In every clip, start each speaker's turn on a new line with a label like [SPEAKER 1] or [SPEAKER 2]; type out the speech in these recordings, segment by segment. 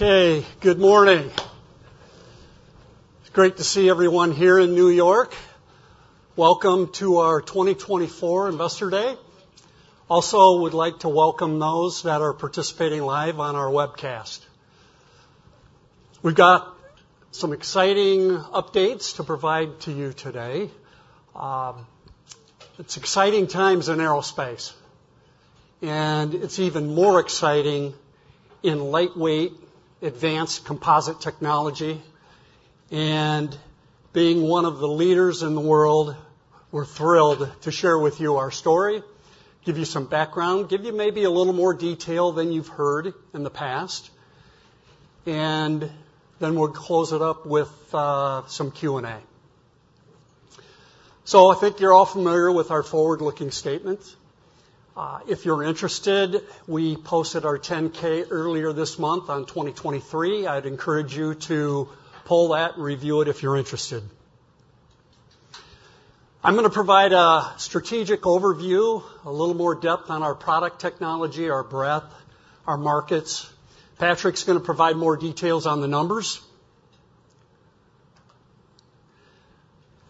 [SPEAKER 1] OK, good morning. It's great to see everyone here in New York. Welcome to our 2024 Investor Day. Also, I would like to welcome those that are participating live on our webcast. We've got some exciting updates to provide to you today. It's exciting times in aerospace, and it's even more exciting in lightweight advanced composite technology. And being one of the leaders in the world, we're thrilled to share with you our story, give you some background, give you maybe a little more detail than you've heard in the past. And then we'll close it up with some Q&A. So I think you're all familiar with our forward-looking statements. If you're interested, we posted our 10-K earlier this month on 2023. I'd encourage you to pull that and review it if you're interested. I'm going to provide a strategic overview, a little more depth on our product technology, our breadth, our markets. Patrick is going to provide more details on the numbers.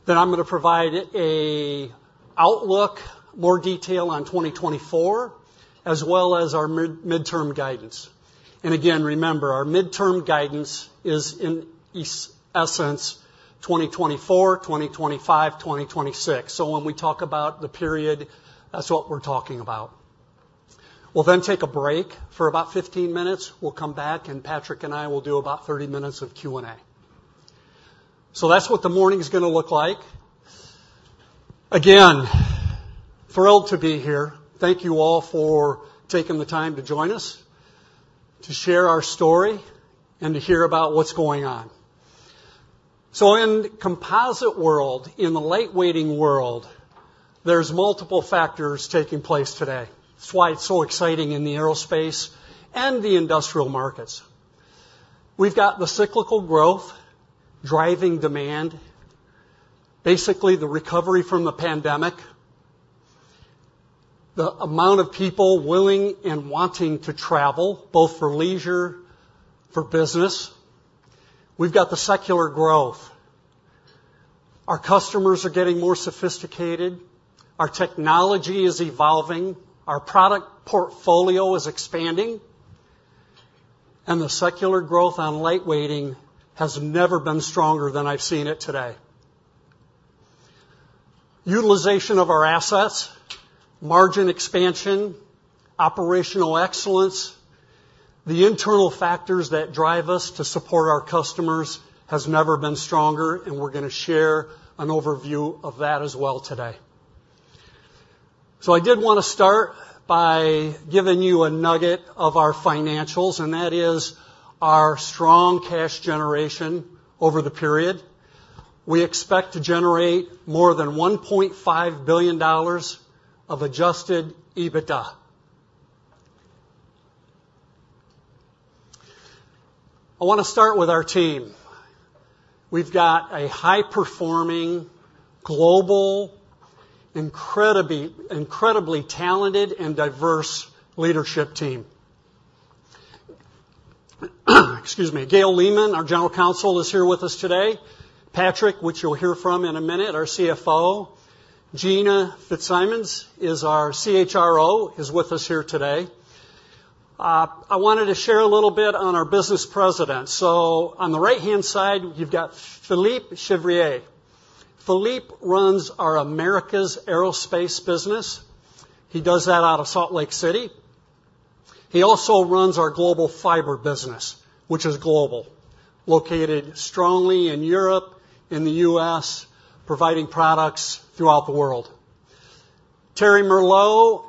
[SPEAKER 1] Then I'm going to provide an outlook, more detail on 2024, as well as our midterm guidance. And again, remember, our midterm guidance is, in essence, 2024, 2025, 2026. So when we talk about the period, that's what we're talking about. We'll then take a break for about 15 minutes. We'll come back, and Patrick and I will do about 30 minutes of Q&A. So that's what the morning is going to look like. Again, thrilled to be here. Thank you all for taking the time to join us, to share our story, and to hear about what's going on. So in the composite world, in the lightweighting world, there's multiple factors taking place today. That's why it's so exciting in the aerospace and the industrial markets. We've got the cyclical growth driving demand, basically the recovery from the pandemic, the amount of people willing and wanting to travel, both for leisure, for business. We've got the secular growth. Our customers are getting more sophisticated. Our technology is evolving. Our product portfolio is expanding. And the secular growth on lightweighting has never been stronger than I've seen it today. Utilization of our assets, margin expansion, operational excellence, the internal factors that drive us to support our customers has never been stronger, and we're going to share an overview of that as well today. So I did want to start by giving you a nugget of our financials, and that is our strong cash generation over the period. We expect to generate more than $1.5 billion of adjusted EBITDA. I want to start with our team. We've got a high-performing, global, incredibly talented and diverse leadership team. Excuse me. Gail Lehman, our general counsel, is here with us today. Patrick, which you'll hear from in a minute, our CFO. Gina Fitzsimons is our CHRO, is with us here today. I wanted to share a little bit on our business presidents. So on the right-hand side, you've got Philippe Chevrier. Philippe runs our Americas Aerospace business. He does that out of Salt Lake City. He also runs our global fiber business, which is global, located strongly in Europe, in the US, providing products throughout the world. Thierry Merlot,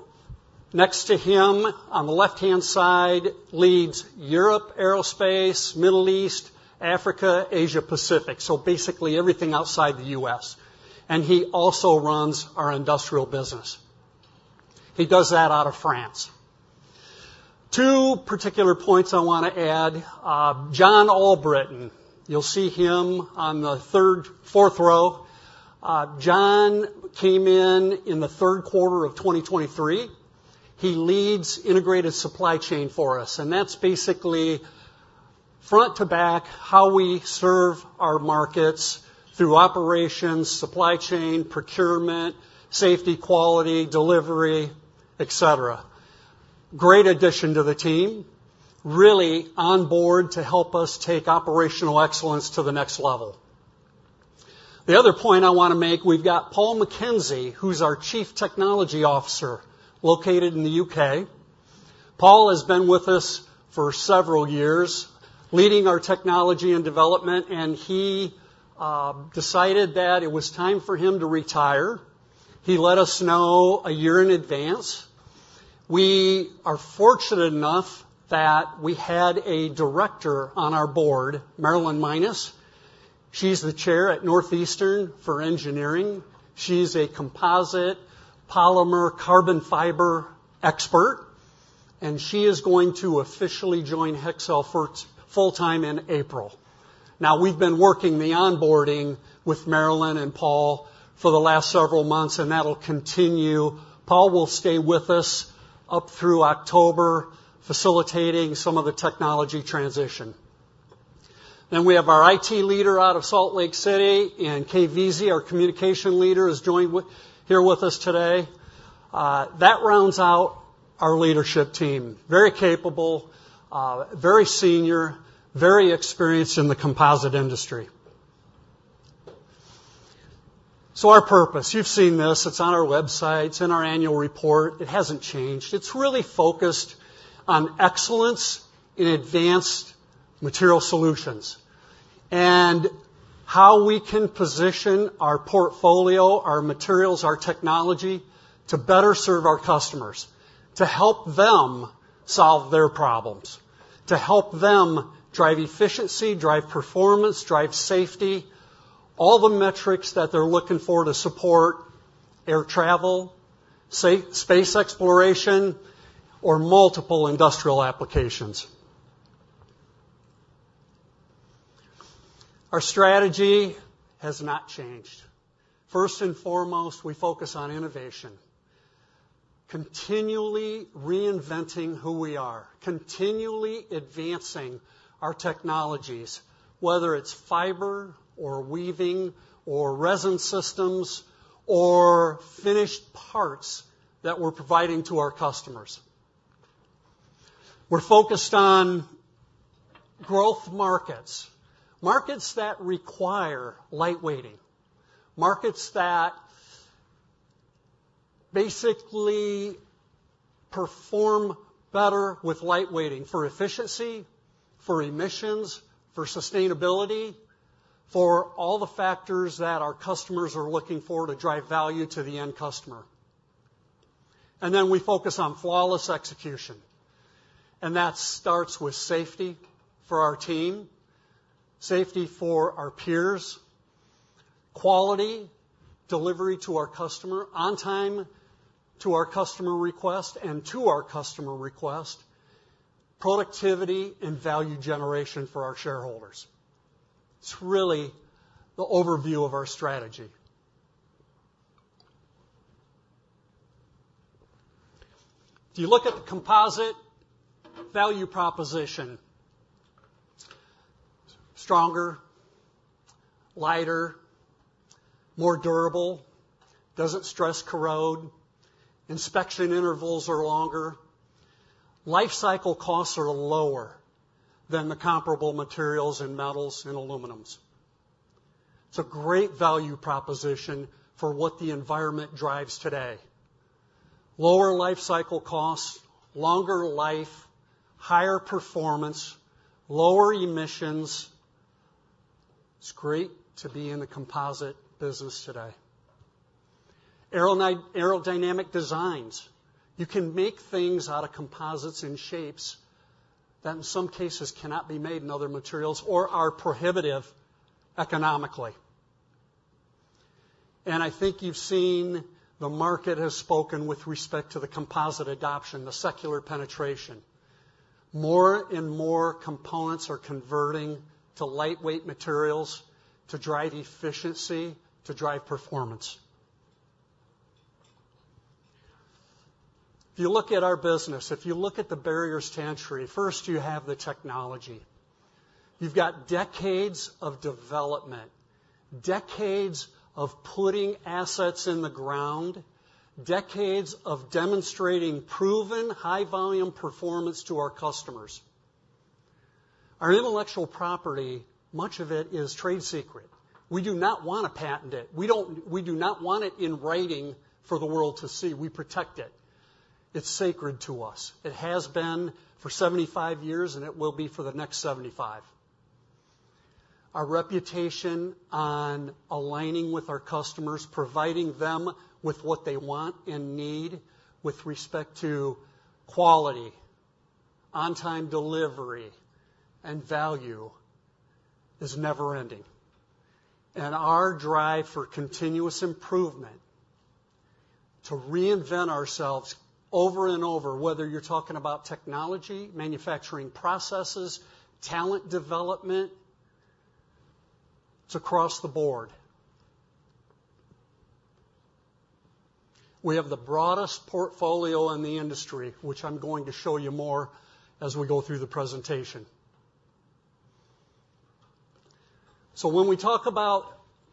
[SPEAKER 1] next to him on the left-hand side, leads Europe, aerospace, Middle East, Africa, Asia, Pacific, so basically everything outside the US. And he also runs our industrial business. He does that out of France. Two particular points I want to add. John Albritton, you'll see him on the third, fourth row. John came in in the third quarter of 2023. He leads integrated supply chain for us. That's basically, front to back, how we serve our markets through operations, supply chain, procurement, safety, quality, delivery, et cetera. Great addition to the team, really on board to help us take operational excellence to the next level. The other point I want to make, we've got Paul McKenzie, who's our Chief Technology Officer, located in the UK. Paul has been with us for several years, leading our technology and development, and he decided that it was time for him to retire. He let us know a year in advance. We are fortunate enough that we had a director on our board, Marilyn Minus. She's the Chair at Northeastern for engineering. She's a composite, polymer, carbon fiber expert. And she is going to officially join Hexcel full-time in April. Now, we've been working the onboarding with Marilyn and Paul for the last several months, and that'll continue. Paul will stay with us up through October facilitating some of the technology transition. Then we have our IT leader out of Salt Lake City, and Kaye Vizi, our communication leader, is joining here with us today. That rounds out our leadership team, very capable, very senior, very experienced in the composite industry. So our purpose, you've seen this. It's on our website. It's in our annual report. It hasn't changed. It's really focused on excellence in advanced material solutions and how we can position our portfolio, our materials, our technology to better serve our customers, to help them solve their problems, to help them drive efficiency, drive performance, drive safety, all the metrics that they're looking for to support air travel, space exploration, or multiple industrial applications. Our strategy has not changed. First and foremost, we focus on innovation, continually reinventing who we are, continually advancing our technologies, whether it's fiber or weaving or resin systems or finished parts that we're providing to our customers. We're focused on growth markets, markets that require lightweighting, markets that basically perform better with lightweighting for efficiency, for emissions, for sustainability, for all the factors that our customers are looking for to drive value to the end customer. And then we focus on flawless execution. That starts with safety for our team, safety for our peers, quality, delivery to our customer, on time to our customer request and to our customer request, productivity, and value generation for our shareholders. It's really the overview of our strategy. If you look at the composite value proposition, stronger, lighter, more durable, doesn't stress, corrode, inspection intervals are longer, life cycle costs are lower than the comparable materials and metals and aluminums. It's a great value proposition for what the environment drives today. Lower life cycle costs, longer life, higher performance, lower emissions. It's great to be in the composite business today. Aerodynamic designs. You can make things out of composites and shapes that, in some cases, cannot be made in other materials or are prohibitive economically. And I think you've seen the market has spoken with respect to the composite adoption, the secular penetration. More and more components are converting to lightweight materials to drive efficiency, to drive performance. If you look at our business, if you look at the barriers to entry, first you have the technology. You've got decades of development, decades of putting assets in the ground, decades of demonstrating proven, high-volume performance to our customers. Our intellectual property, much of it is trade secret. We do not want to patent it. We do not want it in writing for the world to see. We protect it. It's sacred to us. It has been for 75 years, and it will be for the next 75. Our reputation on aligning with our customers, providing them with what they want and need with respect to quality, on time delivery, and value is never-ending. Our drive for continuous improvement, to reinvent ourselves over and over, whether you're talking about technology, manufacturing processes, talent development, it's across the board. We have the broadest portfolio in the industry, which I'm going to show you more as we go through the presentation. When we talk about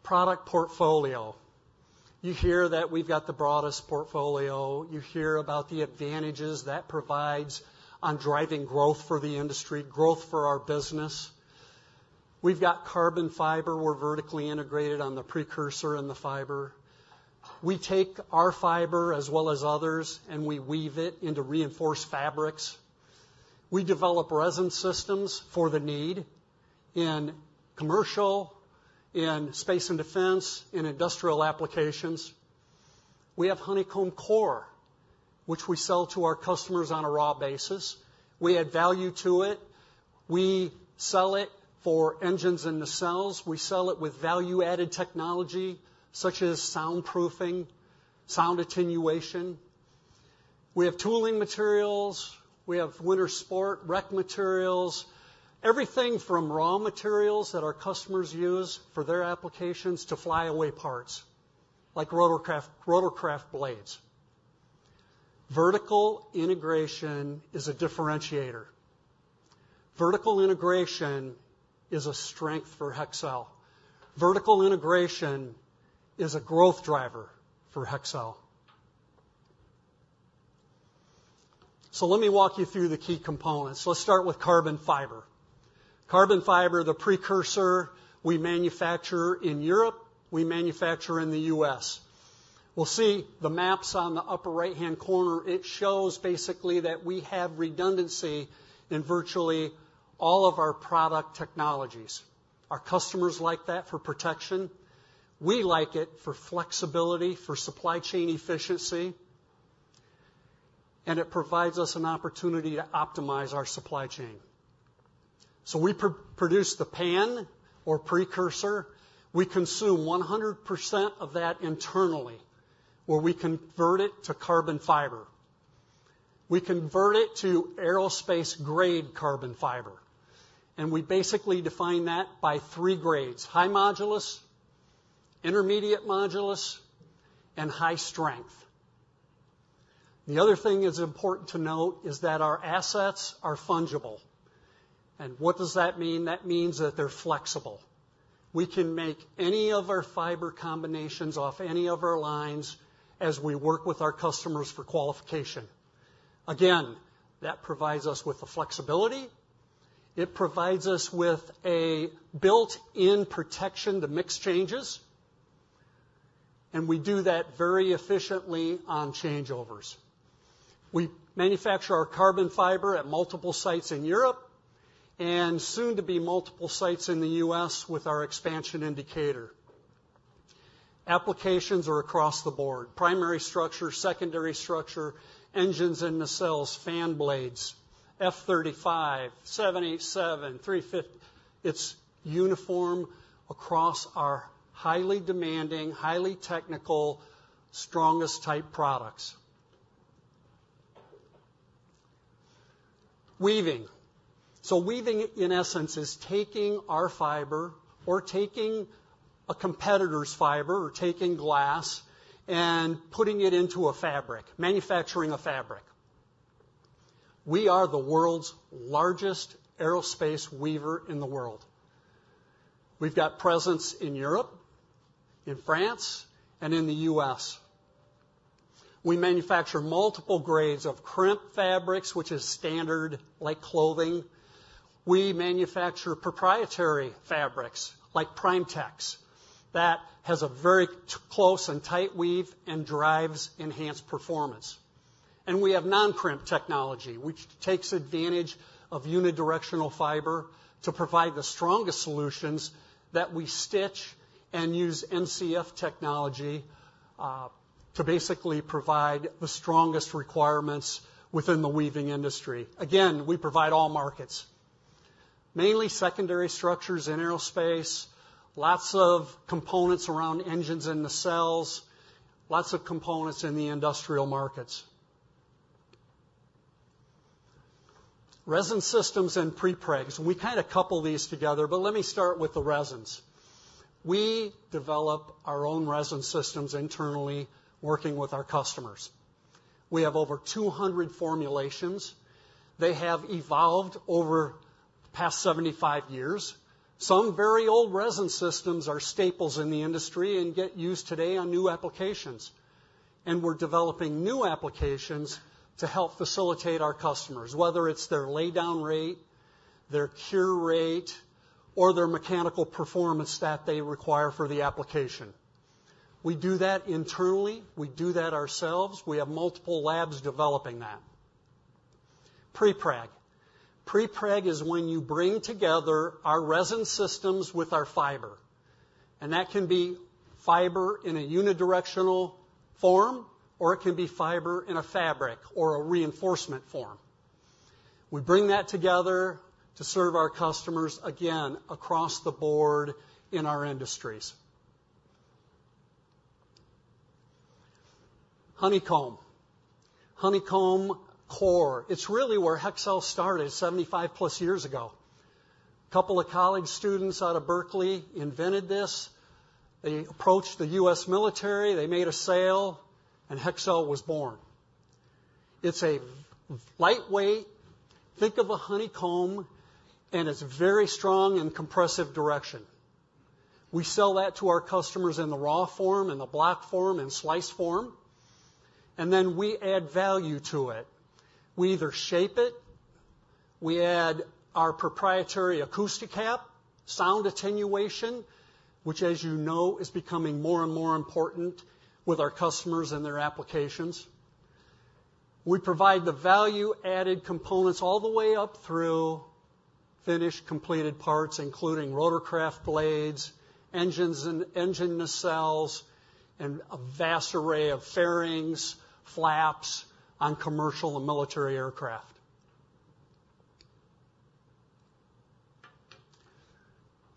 [SPEAKER 1] product portfolio, you hear that we've got the broadest portfolio. You hear about the advantages that provides on driving growth for the industry, growth for our business. We've got carbon fiber. We're vertically integrated on the precursor and the fiber. We take our fiber, as well as others, and we weave it into reinforced fabrics. We develop resin systems for the need in commercial, in space and defense, in industrial applications. We have Honeycomb Core, which we sell to our customers on a raw basis. We add value to it. We sell it for engines and nacelles. We sell it with value-added technology such as soundproofing, sound attenuation. We have tooling materials. We have winter sports, RTM materials, everything from raw materials that our customers use for their applications to flyaway parts like rotorcraft blades. Vertical integration is a differentiator. Vertical integration is a strength for Hexcel. Vertical integration is a growth driver for Hexcel. So let me walk you through the key components. Let's start with carbon fiber. Carbon fiber, the precursor, we manufacture in Europe. We manufacture in the U.S. We'll see the maps on the upper right-hand corner. It shows basically that we have redundancy in virtually all of our product technologies. Our customers like that for protection. We like it for flexibility, for supply chain efficiency. And it provides us an opportunity to optimize our supply chain. So we produce the PAN or precursor. We consume 100% of that internally, where we convert it to carbon fiber. We convert it to aerospace-grade carbon fiber. We basically define that by three grades: high modulus, intermediate modulus, and high strength. The other thing that's important to note is that our assets are fungible. What does that mean? That means that they're flexible. We can make any of our fiber combinations off any of our lines as we work with our customers for qualification. Again, that provides us with the flexibility. It provides us with a built-in protection to mix changes. We do that very efficiently on changeovers. We manufacture our carbon fiber at multiple sites in Europe and soon to be multiple sites in the U.S. with our expansion in Decatur. Applications are across the board: primary structure, secondary structure, engines and nacelles, fan blades, F-35, 787, 350. It's uniform across our highly demanding, highly technical, strongest type products. Weaving. So weaving, in essence, is taking our fiber or taking a competitor's fiber or taking glass and putting it into a fabric, manufacturing a fabric. We are the world's largest aerospace weaver in the world. We've got presence in Europe, in France, and in the U.S. We manufacture multiple grades of crimp fabrics, which is standard like clothing. We manufacture proprietary fabrics like PrimeTex that has a very close and tight weave and drives enhanced performance. And we have non-crimp technology, which takes advantage of unidirectional fiber to provide the strongest solutions that we stitch and use NCF technology to basically provide the strongest requirements within the weaving industry. Again, we provide all markets, mainly secondary structures in aerospace, lots of components around engines and nacelles, lots of components in the industrial markets. Resin systems and prepregs. We kind of couple these together, but let me start with the resins. We develop our own resin systems internally, working with our customers. We have over 200 formulations. They have evolved over the past 75 years. Some very old resin systems are staples in the industry and get used today on new applications. And we're developing new applications to help facilitate our customers, whether it's their laydown rate, their cure rate, or their mechanical performance that they require for the application. We do that internally. We do that ourselves. We have multiple labs developing that. Prepreg. Prepreg is when you bring together our resin systems with our fiber. And that can be fiber in a unidirectional form, or it can be fiber in a fabric or a reinforcement form. We bring that together to serve our customers, again, across the board in our industries. Honeycomb. Honeycomb Core. It's really where Hexcel started 75+ years ago. A couple of college students out of Berkeley invented this. They approached the U.S. military. They made a sale. Hexcel was born. It's a lightweight, think of a honeycomb in its very strong and compressive direction. We sell that to our customers in the raw form, in the block form, in slice form. Then we add value to it. We either shape it. We add our proprietary acoustic cap, sound attenuation, which, as you know, is becoming more and more important with our customers and their applications. We provide the value-added components all the way up through finished, completed parts, including rotorcraft blades, engines and nacelles, and a vast array of fairings, flaps on commercial and military aircraft.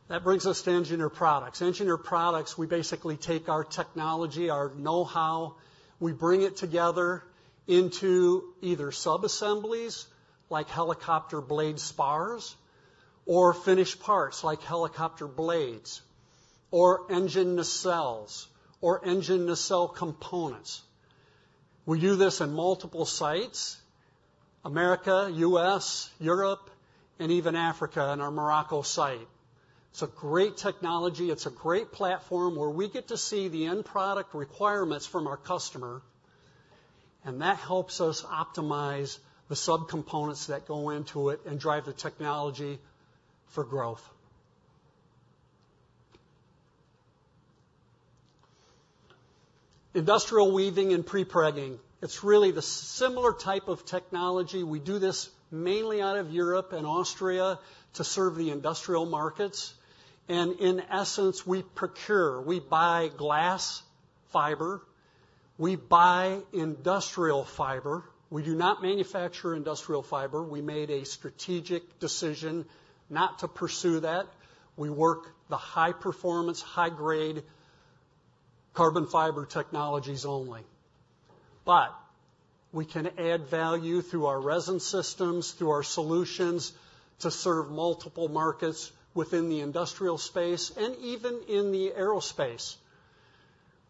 [SPEAKER 1] That brings us to Engineered Products. Engineered Products, we basically take our technology, our know-how, we bring it together into either subassemblies like helicopter blade spars or finished parts like helicopter blades or engine nacelles or engine nacelle components. We do this in multiple sites: America, U.S., Europe, and even Africa in our Morocco site. It's a great technology. It's a great platform where we get to see the end product requirements from our customer. And that helps us optimize the subcomponents that go into it and drive the technology for growth. Industrial weaving and prepregging. It's really the similar type of technology. We do this mainly out of Europe and Austria to serve the industrial markets. And in essence, we procure. We buy glass fiber. We buy industrial fiber. We do not manufacture industrial fiber. We made a strategic decision not to pursue that. We work the high-performance, high-grade carbon fiber technologies only. But we can add value through our resin systems, through our solutions to serve multiple markets within the industrial space and even in the aerospace.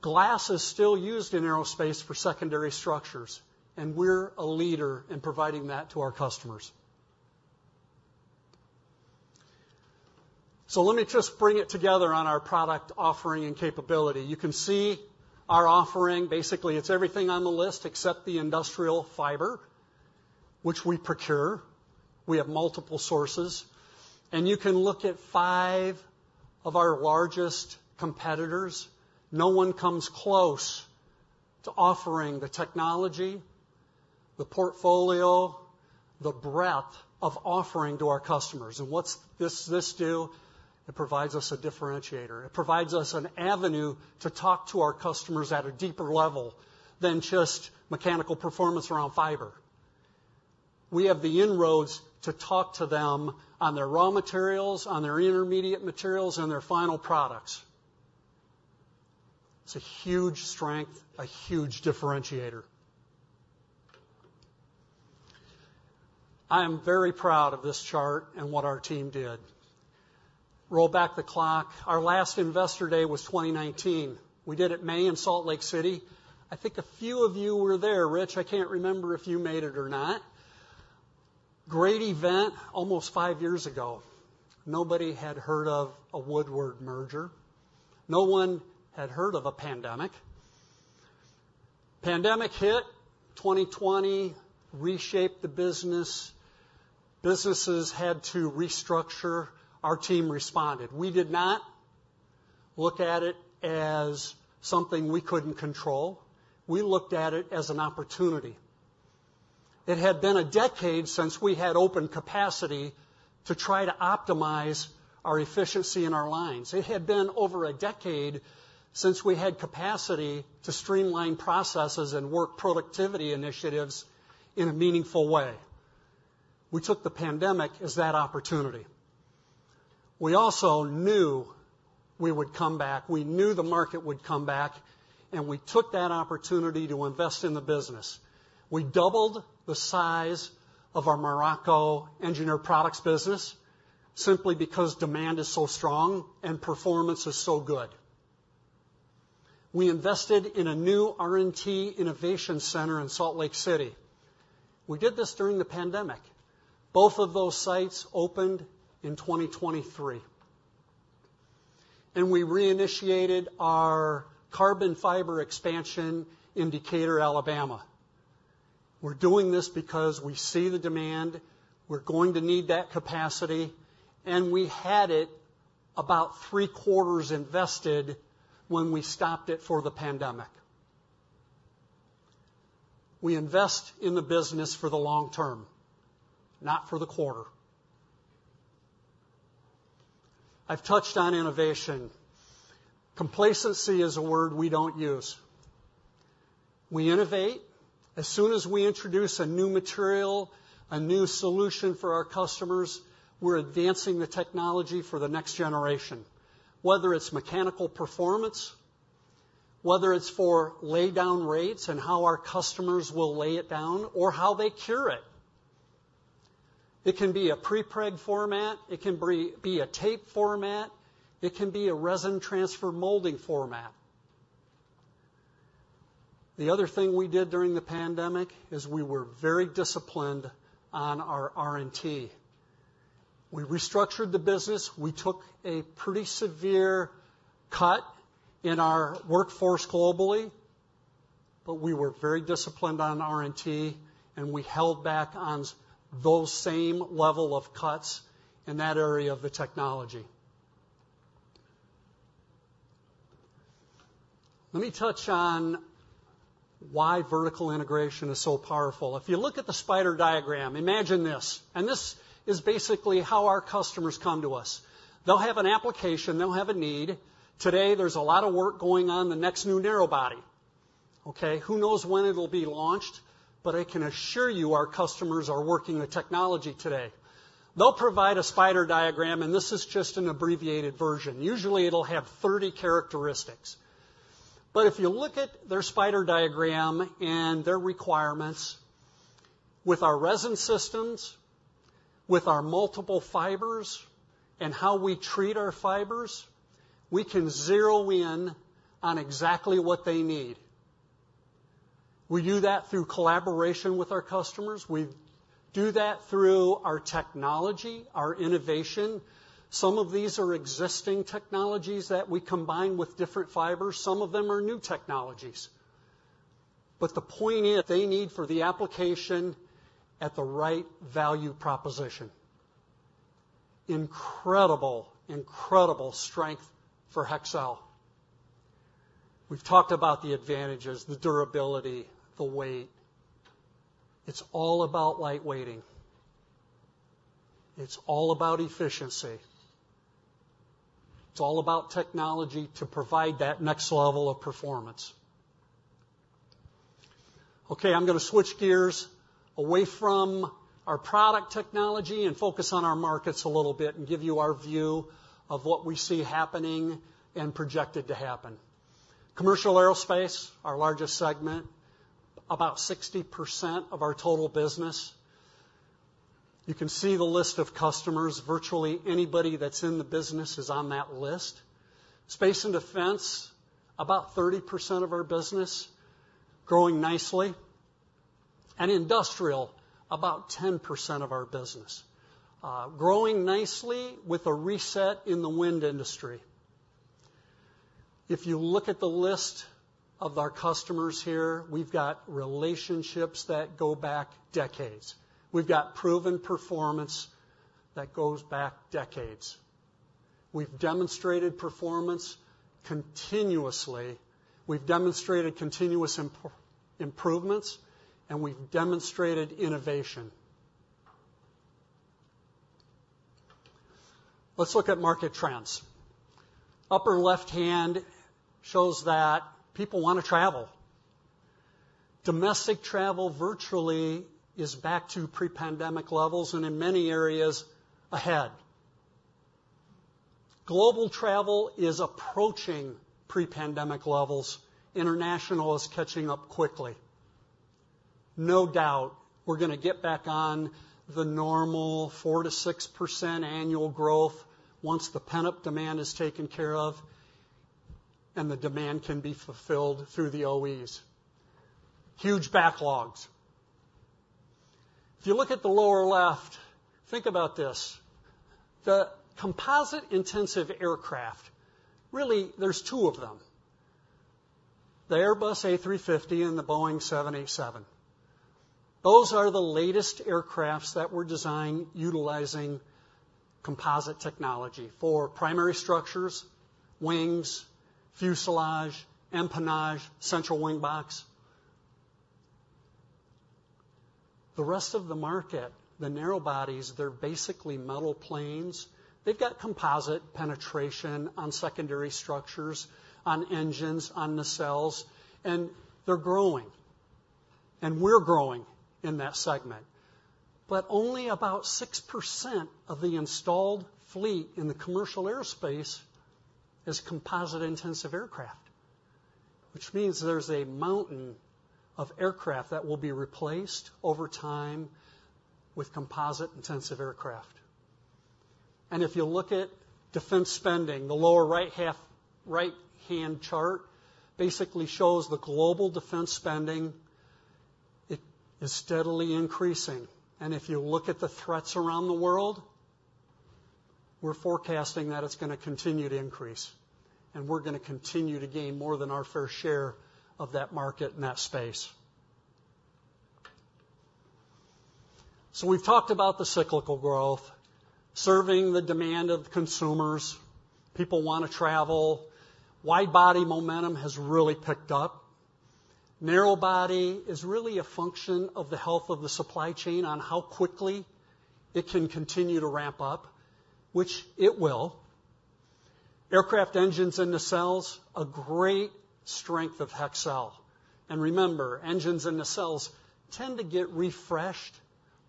[SPEAKER 1] Glass is still used in aerospace for secondary structures. And we're a leader in providing that to our customers. So let me just bring it together on our product offering and capability. You can see our offering. Basically, it's everything on the list except the industrial fiber, which we procure. We have multiple sources. And you can look at five of our largest competitors. No one comes close to offering the technology, the portfolio, the breadth of offering to our customers. And what does this do? It provides us a differentiator. It provides us an avenue to talk to our customers at a deeper level than just mechanical performance around fiber. We have the inroads to talk to them on their raw materials, on their intermediate materials, and their final products. It's a huge strength, a huge differentiator. I am very proud of this chart and what our team did. Roll back the clock. Our last Investor Day was 2019. We did it in May in Salt Lake City. I think a few of you were there. Rich, I can't remember if you made it or not. Great event almost five years ago. Nobody had heard of a Woodward merger. No one had heard of a pandemic. Pandemic hit. 2020 reshaped the business. Businesses had to restructure. Our team responded. We did not look at it as something we couldn't control. We looked at it as an opportunity. It had been a decade since we had open capacity to try to optimize our efficiency in our lines. It had been over a decade since we had capacity to streamline processes and work productivity initiatives in a meaningful way. We took the pandemic as that opportunity. We also knew we would come back. We knew the market would come back. We took that opportunity to invest in the business. We doubled the size of our Morocco engineered products business simply because demand is so strong and performance is so good. We invested in a new R&T innovation center in Salt Lake City. We did this during the pandemic. Both of those sites opened in 2023. We reinitiated our carbon fiber expansion in Decatur, Alabama. We're doing this because we see the demand. We're going to need that capacity. We had it about three-quarters invested when we stopped it for the pandemic. We invest in the business for the long term, not for the quarter. I've touched on innovation. Complacency is a word we don't use. We innovate. As soon as we introduce a new material, a new solution for our customers, we're advancing the technology for the next generation, whether it's mechanical performance, whether it's for laydown rates and how our customers will lay it down, or how they cure it. It can be a prepreg format. It can be a tape format. It can be a Resin Transfer Molding format. The other thing we did during the pandemic is we were very disciplined on our R&T. We restructured the business. We took a pretty severe cut in our workforce globally. But we were very disciplined on R&T. And we held back on those same level of cuts in that area of the technology. Let me touch on why vertical integration is so powerful. If you look at the spider diagram, imagine this. This is basically how our customers come to us. They'll have an application. They'll have a need. Today, there's a lot of work going on. The next new narrowbody. OK? Who knows when it'll be launched? But I can assure you our customers are working the technology today. They'll provide a spider diagram. And this is just an abbreviated version. Usually, it'll have 30 characteristics. But if you look at their spider diagram and their requirements with our resin systems, with our multiple fibers, and how we treat our fibers, we can zero in on exactly what they need. We do that through collaboration with our customers. We do that through our technology, our innovation. Some of these are existing technologies that we combine with different fibers. Some of them are new technologies. But the point. They need for the application at the right value proposition. Incredible, incredible strength for Hexcel. We've talked about the advantages, the durability, the weight. It's all about lightweighting. It's all about efficiency. It's all about technology to provide that next level of performance. OK, I'm going to switch gears away from our product technology and focus on our markets a little bit and give you our view of what we see happening and projected to happen. Commercial aerospace, our largest segment, about 60% of our total business. You can see the list of customers. Virtually anybody that's in the business is on that list. Space and defense, about 30% of our business, growing nicely. And industrial, about 10% of our business, growing nicely with a reset in the wind industry. If you look at the list of our customers here, we've got relationships that go back decades. We've got proven performance that goes back decades. We've demonstrated performance continuously. We've demonstrated continuous improvements. We've demonstrated innovation. Let's look at market trends. Upper left hand shows that people want to travel. Domestic travel virtually is back to pre-pandemic levels and in many areas ahead. Global travel is approaching pre-pandemic levels. International is catching up quickly. No doubt we're going to get back on the normal 4%-6% annual growth once the pent-up demand is taken care of and the demand can be fulfilled through the OEs. Huge backlogs. If you look at the lower left, think about this. The composite-intensive aircraft, really, there's two of them: the Airbus A350 and the Boeing 787. Those are the latest aircraft that were designed utilizing composite technology for primary structures, wings, fuselage, empennage, central wing box. The rest of the market, the narrowbodies, they're basically metal planes. They've got composite penetration on secondary structures, on engines, on nacelles. They're growing. We're growing in that segment. But only about 6% of the installed fleet in the commercial aerospace is composite-intensive aircraft, which means there's a mountain of aircraft that will be replaced over time with composite-intensive aircraft. If you look at defense spending, the lower right hand chart basically shows the global defense spending. It is steadily increasing. If you look at the threats around the world, we're forecasting that it's going to continue to increase. We're going to continue to gain more than our fair share of that market in that space. We've talked about the cyclical growth, serving the demand of consumers. People want to travel. Wide-body momentum has really picked up. Narrowbody is really a function of the health of the supply chain on how quickly it can continue to ramp up, which it will. Aircraft engines and nacelles, a great strength of Hexcel. And remember, engines and nacelles tend to get refreshed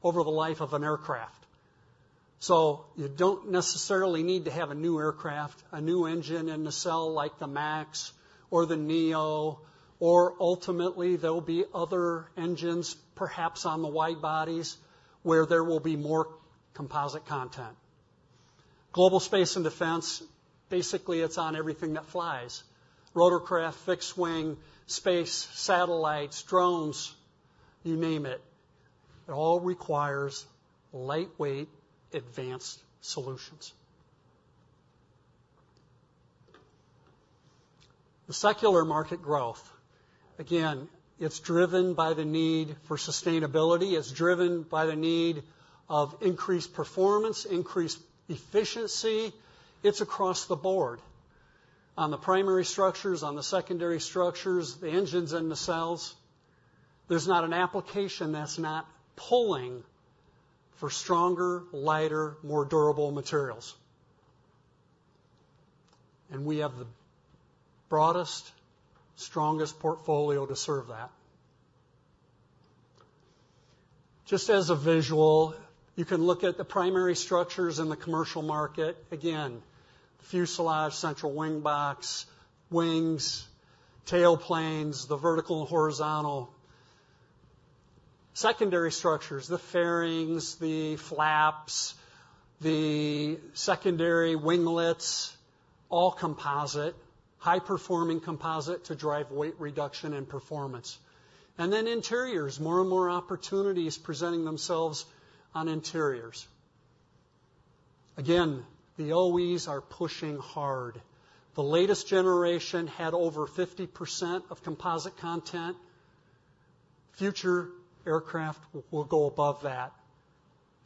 [SPEAKER 1] over the life of an aircraft. So you don't necessarily need to have a new aircraft, a new engine and nacelle like the MAX or the NEO. Or ultimately, there'll be other engines, perhaps on the wide bodies, where there will be more composite content. Global space and defense, basically, it's on everything that flies, rotorcraft, fixed-wing space, satellites, drones, you name it. It all requires lightweight, advanced solutions. The secular market growth, again, it's driven by the need for sustainability. It's driven by the need of increased performance, increased efficiency. It's across the board: on the primary structures, on the secondary structures, the engines and nacelles. There's not an application that's not pulling for stronger, lighter, more durable materials. And we have the broadest, strongest portfolio to serve that. Just as a visual, you can look at the primary structures in the commercial market. Again, fuselage, central wing box, wings, tail planes, the vertical and horizontal. Secondary structures: the fairings, the flaps, the secondary winglets, all composite, high-performing composite to drive weight reduction and performance. And then interiors. More and more opportunities presenting themselves on interiors. Again, the OEs are pushing hard. The latest generation had over 50% of composite content. Future aircraft will go above that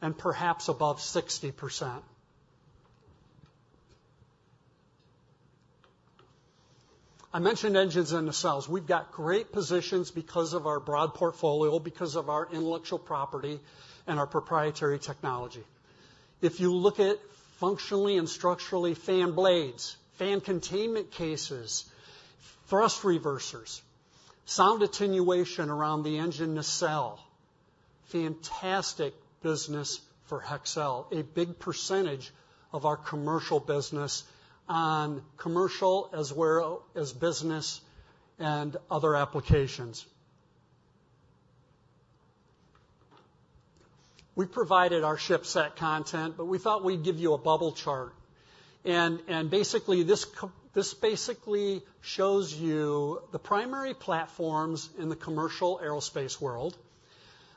[SPEAKER 1] and perhaps above 60%. I mentioned engines and nacelles. We've got great positions because of our broad portfolio, because of our intellectual property and our proprietary technology. If you look at functionally and structurally fan blades, fan containment cases, thrust reversers, sound attenuation around the engine nacelle, fantastic business for Hexcel, a big percentage of our commercial business on commercial as well as business and other applications. We provided our ship set content. But we thought we'd give you a bubble chart. And basically, this basically shows you the primary platforms in the commercial aerospace world.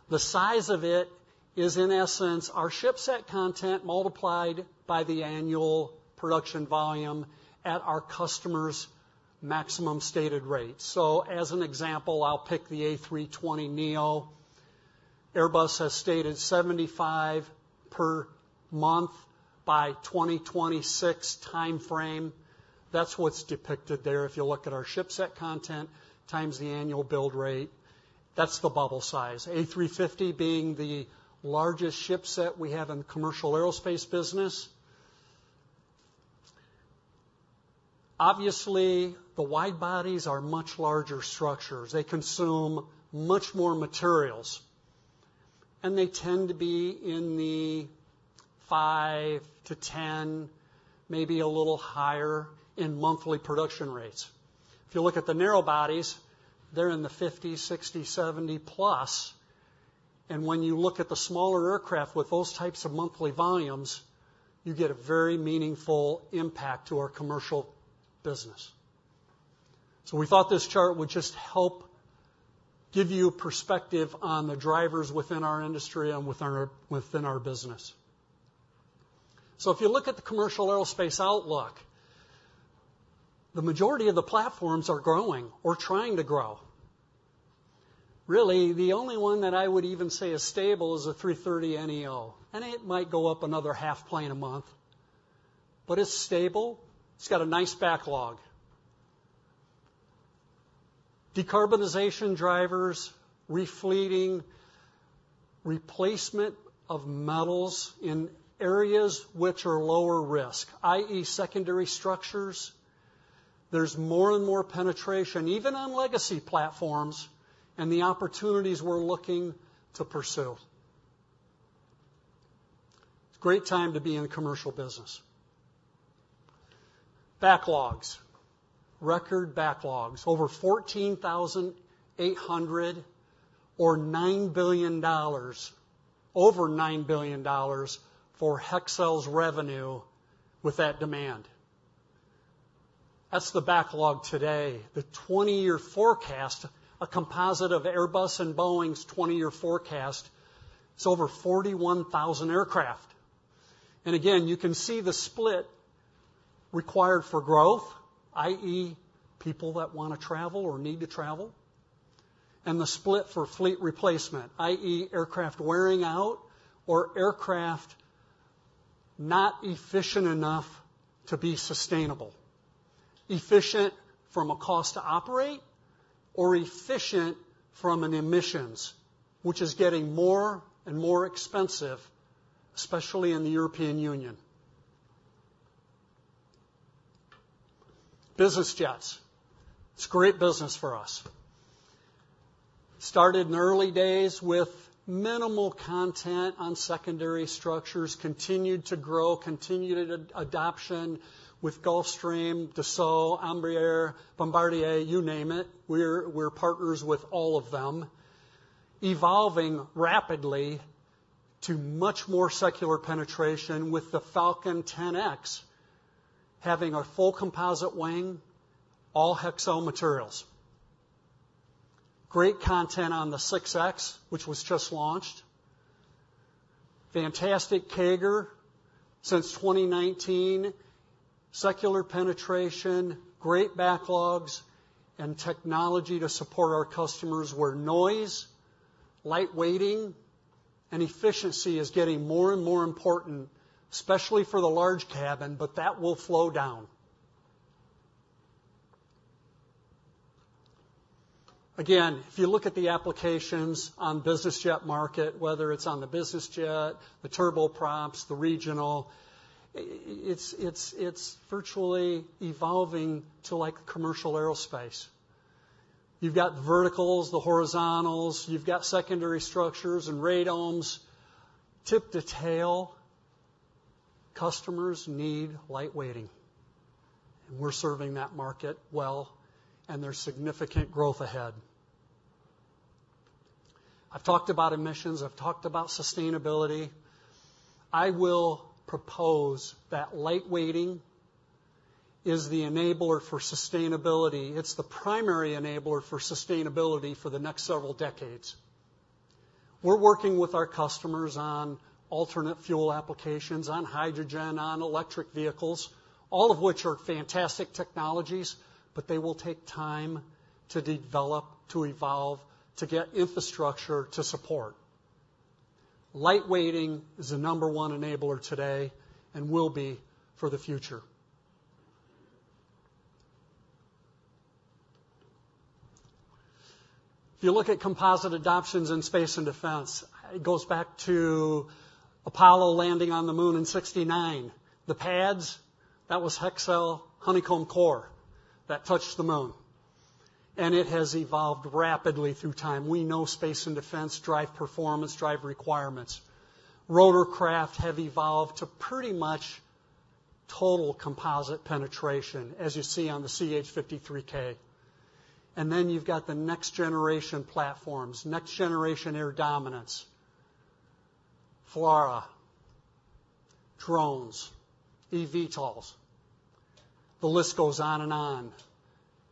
[SPEAKER 1] The size of it is, in essence, our ship set content multiplied by the annual production volume at our customers' maximum stated rate. So as an example, I'll pick the A320neo. Airbus has stated 75 per month by 2026 time frame. That's what's depicted there if you look at our ship set content times the annual build rate. That's the bubble size, A350 being the largest ship set we have in the commercial aerospace business. Obviously, the wide bodies are much larger structures. They consume much more materials. And they tend to be in the five to 10, maybe a little higher, in monthly production rates. If you look at the narrowbodies, they're in the 50, 60, 70+. When you look at the smaller aircraft with those types of monthly volumes, you get a very meaningful impact to our commercial business. We thought this chart would just help give you perspective on the drivers within our industry and within our business. If you look at the commercial aerospace outlook, the majority of the platforms are growing or trying to grow. Really, the only one that I would even say is stable is the A330neo. It might go up another half plane a month. It's stable. It's got a nice backlog. Decarbonization drivers, refleeting, replacement of metals in areas which are lower risk, i.e., secondary structures. There's more and more penetration, even on legacy platforms, and the opportunities we're looking to pursue. It's a great time to be in commercial business. Backlogs, record backlogs, over $1.48 billion or $9 billion, over $9 billion for Hexcel's revenue with that demand. That's the backlog today, the 20-year forecast, a composite of Airbus and Boeing's 20-year forecast. It's over 41,000 aircraft. And again, you can see the split required for growth, i.e., people that want to travel or need to travel, and the split for fleet replacement, i.e., aircraft wearing out or aircraft not efficient enough to be sustainable, efficient from a cost to operate or efficient from emissions, which is getting more and more expensive, especially in the European Union. Business jets. It's great business for us. Started in early days with minimal content on secondary structures, continued to grow, continued adoption with Gulfstream, Dassault, Embraer, Bombardier, you name it. We're partners with all of them, evolving rapidly to much more secular penetration with the Falcon 10X having a full composite wing, all Hexcel materials. Great content on the 6X, which was just launched. Fantastic CAGR since 2019, secular penetration, great backlogs, and technology to support our customers where noise, lightweighting, and efficiency is getting more and more important, especially for the large cabin. But that will slow down. Again, if you look at the applications on business jet market, whether it's on the business jet, the turboprops, the regional, it's virtually evolving to like commercial aerospace. You've got the verticals, the horizontals. You've got secondary structures and radomes. Tip to tail, customers need lightweighting. And we're serving that market well. And there's significant growth ahead. I've talked about emissions. I've talked about sustainability. I will propose that lightweighting is the enabler for sustainability. It's the primary enabler for sustainability for the next several decades. We're working with our customers on alternative fuel applications, on hydrogen, on electric vehicles, all of which are fantastic technologies. They will take time to develop, to evolve, to get infrastructure to support. Lightweighting is the number one enabler today and will be for the future. If you look at composite adoptions in space and defense, it goes back to Apollo landing on the Moon in 1969. The pads, that was Hexcel honeycomb core that touched the Moon. It has evolved rapidly through time. We know space and defense drive performance, drive requirements. Rotorcraft have evolved to pretty much total composite penetration, as you see on the CH-53K. Then you've got the next generation platforms, next generation air dominance, FLRAA, drones, eVTOLs. The list goes on and on.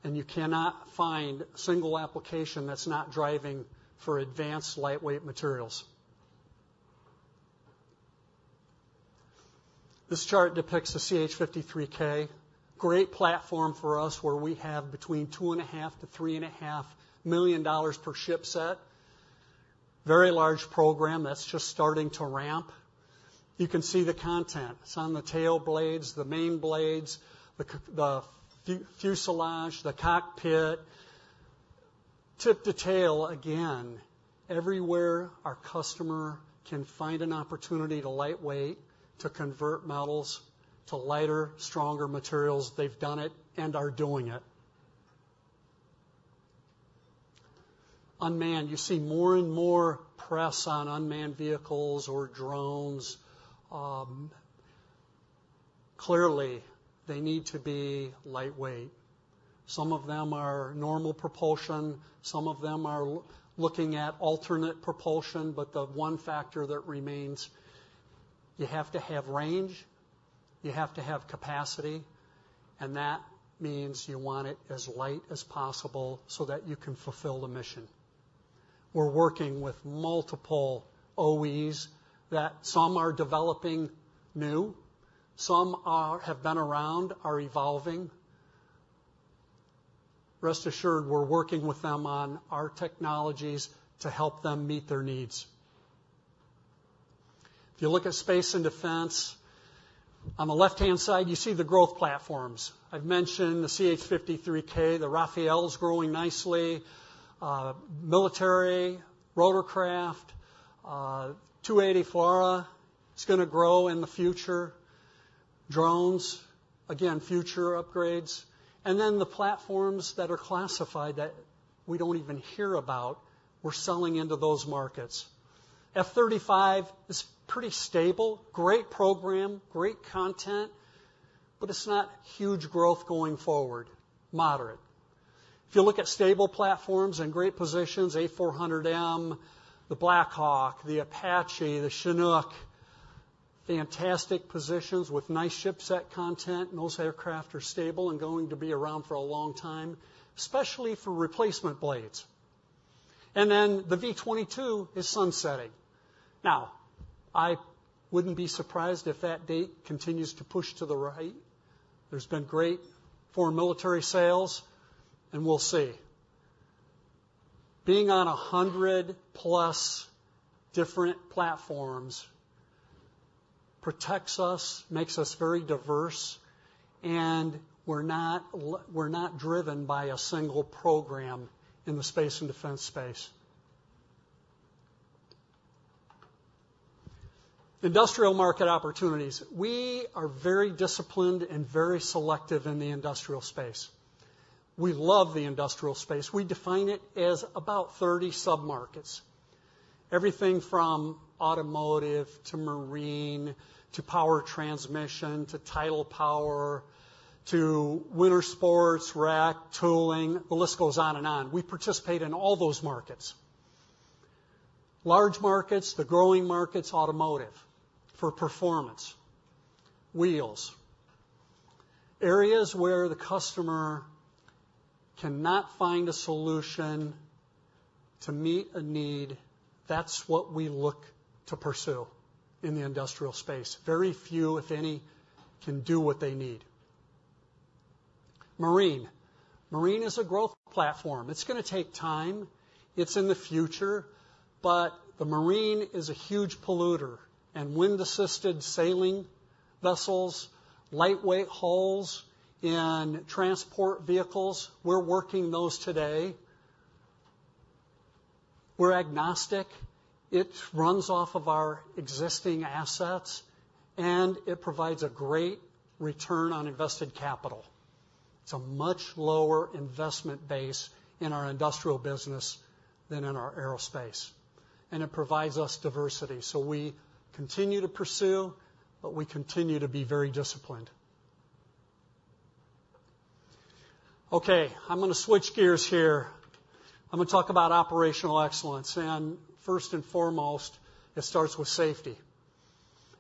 [SPEAKER 1] You cannot find a single application that's not driving for advanced lightweight materials. This chart depicts the CH-53K, great platform for us where we have between $2.5 million-$3.5 million per ship set, very large program that's just starting to ramp. You can see the content. It's on the tail blades, the main blades, the fuselage, the cockpit. Tip to tail, again, everywhere our customer can find an opportunity to lightweight, to convert models to lighter, stronger materials. They've done it and are doing it. Unmanned. You see more and more press on unmanned vehicles or drones. Clearly, they need to be lightweight. Some of them are normal propulsion. Some of them are looking at alternate propulsion. But the one factor that remains, you have to have range. You have to have capacity. That means you want it as light as possible so that you can fulfill the mission. We're working with multiple OEs that some are developing new, some have been around, are evolving. Rest assured, we're working with them on our technologies to help them meet their needs. If you look at space and defense, on the left-hand side, you see the growth platforms. I've mentioned the CH-53K, the Rafale growing nicely, military, rotorcraft, V-280 FLRAA. It's going to grow in the future. Drones, again, future upgrades. And then the platforms that are classified that we don't even hear about, we're selling into those markets. F-35 is pretty stable, great program, great content. But it's not huge growth going forward, moderate. If you look at stable platforms and great positions, A400M, the Black Hawk, the Apache, the Chinook, fantastic positions with nice ship set content. And those aircraft are stable and going to be around for a long time, especially for replacement blades. And then the V-22 is sunsetting. Now, I wouldn't be surprised if that date continues to push to the right. There's been great foreign military sales. And we'll see. Being on 100 plus different platforms protects us, makes us very diverse. And we're not driven by a single program in the space and defense space. Industrial market opportunities. We are very disciplined and very selective in the industrial space. We love the industrial space. We define it as about 30 submarkets, everything from automotive to marine to power transmission to tidal power to winter sports, rack, tooling. The list goes on and on. We participate in all those markets. Large markets, the growing markets, automotive for performance, wheels, areas where the customer cannot find a solution to meet a need, that's what we look to pursue in the industrial space. Very few, if any, can do what they need. Marine. Marine is a growth platform. It's going to take time. It's in the future. But the marine is a huge polluter. And wind-assisted sailing vessels, lightweight hulls in transport vehicles, we're working those today. We're agnostic. It runs off of our existing assets. And it provides a great return on invested capital. It's a much lower investment base in our industrial business than in our aerospace. And it provides us diversity. So we continue to pursue. But we continue to be very disciplined. OK. I'm going to switch gears here. I'm going to talk about Operational Excellence. And first and foremost, it starts with safety.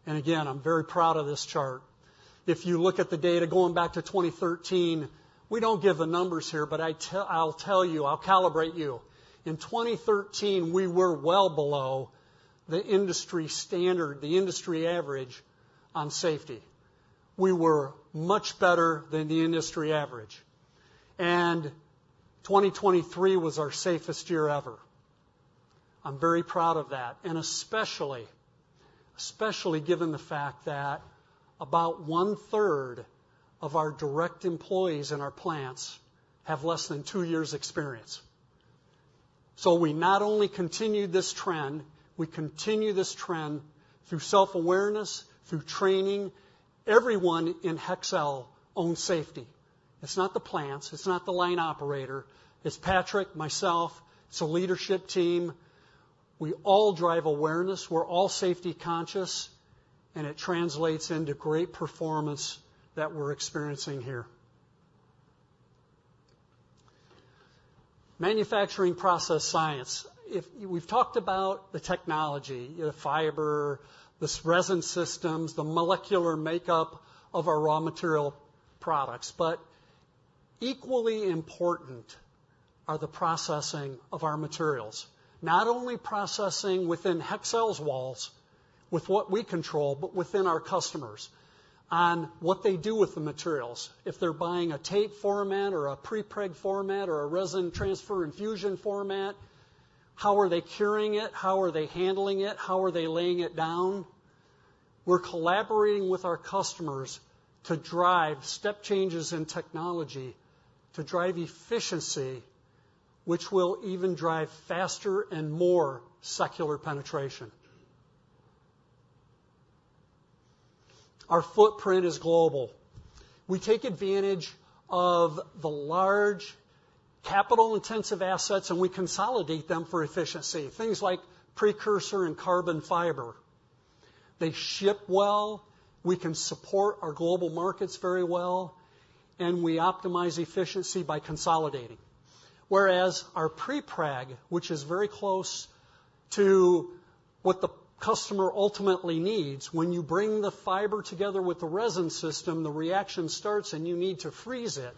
[SPEAKER 1] And again, I'm very proud of this chart. If you look at the data going back to 2013, we don't give the numbers here. But I'll tell you, I'll calibrate you. In 2013, we were well below the industry standard, the industry average on safety. We were much better than the industry average. And 2023 was our safest year ever. I'm very proud of that, and especially given the fact that about 1/3 of our direct employees in our plants have less than two years experience. So we not only continue this trend, we continue this trend through self-awareness, through training. Everyone in Hexcel owns safety. It's not the plants. It's not the line operator. It's Patrick, myself. It's a leadership team. We all drive awareness. We're all safety conscious. And it translates into great performance that we're experiencing here. Manufacturing process science. We've talked about the technology, the fiber, the resin systems, the molecular makeup of our raw material products. But equally important are the processing of our materials, not only processing within Hexcel's walls with what we control, but within our customers on what they do with the materials, if they're buying a tape format or a prepreg format or a resin transfer infusion format, how are they curing it? How are they handling it? How are they laying it down? We're collaborating with our customers to drive step changes in technology, to drive efficiency, which will even drive faster and more secular penetration. Our footprint is global. We take advantage of the large capital-intensive assets. And we consolidate them for efficiency, things like precursor and carbon fiber. They ship well. We can support our global markets very well. And we optimize efficiency by consolidating. Whereas our prepreg, which is very close to what the customer ultimately needs, when you bring the fiber together with the resin system, the reaction starts. And you need to freeze it.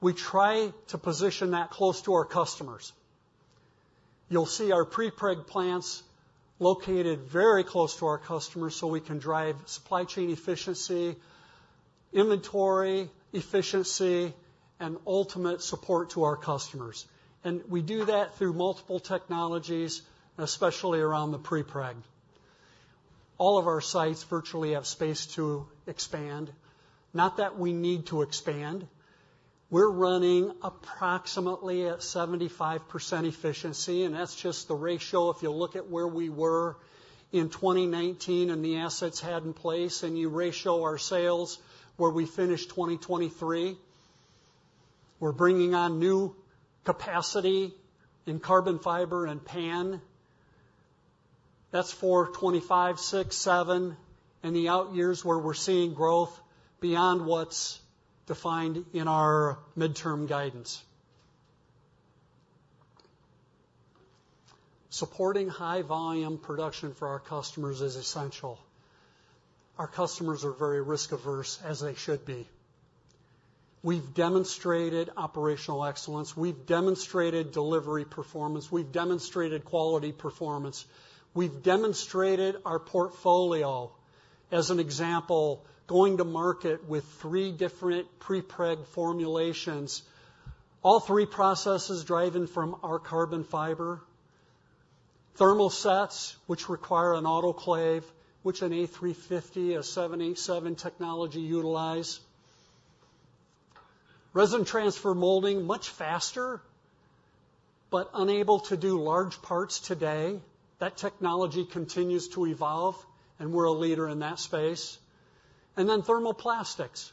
[SPEAKER 1] We try to position that close to our customers. You'll see our prepreg plants located very close to our customers so we can drive supply chain efficiency, inventory efficiency, and ultimate support to our customers. And we do that through multiple technologies, especially around the prepreg. All of our sites virtually have space to expand. Not that we need to expand. We're running approximately at 75% efficiency. And that's just the ratio. If you look at where we were in 2019 and the assets had in place and you ratio our sales where we finished 2023, we're bringing on new capacity in carbon fiber and PAN. That's for 2025, 2026, 2027, and the out years where we're seeing growth beyond what's defined in our midterm guidance. Supporting high-volume production for our customers is essential. Our customers are very risk-averse, as they should be. We've demonstrated operational excellence. We've demonstrated delivery performance. We've demonstrated quality performance. We've demonstrated our portfolio. As an example, going to market with three different prepreg formulations, all three processes driven from our carbon fiber, thermosets, which require an autoclave, which an A350, a 787 technology utilize, resin transfer molding much faster, but unable to do large parts today. That technology continues to evolve. And we're a leader in that space. And then thermoplastics,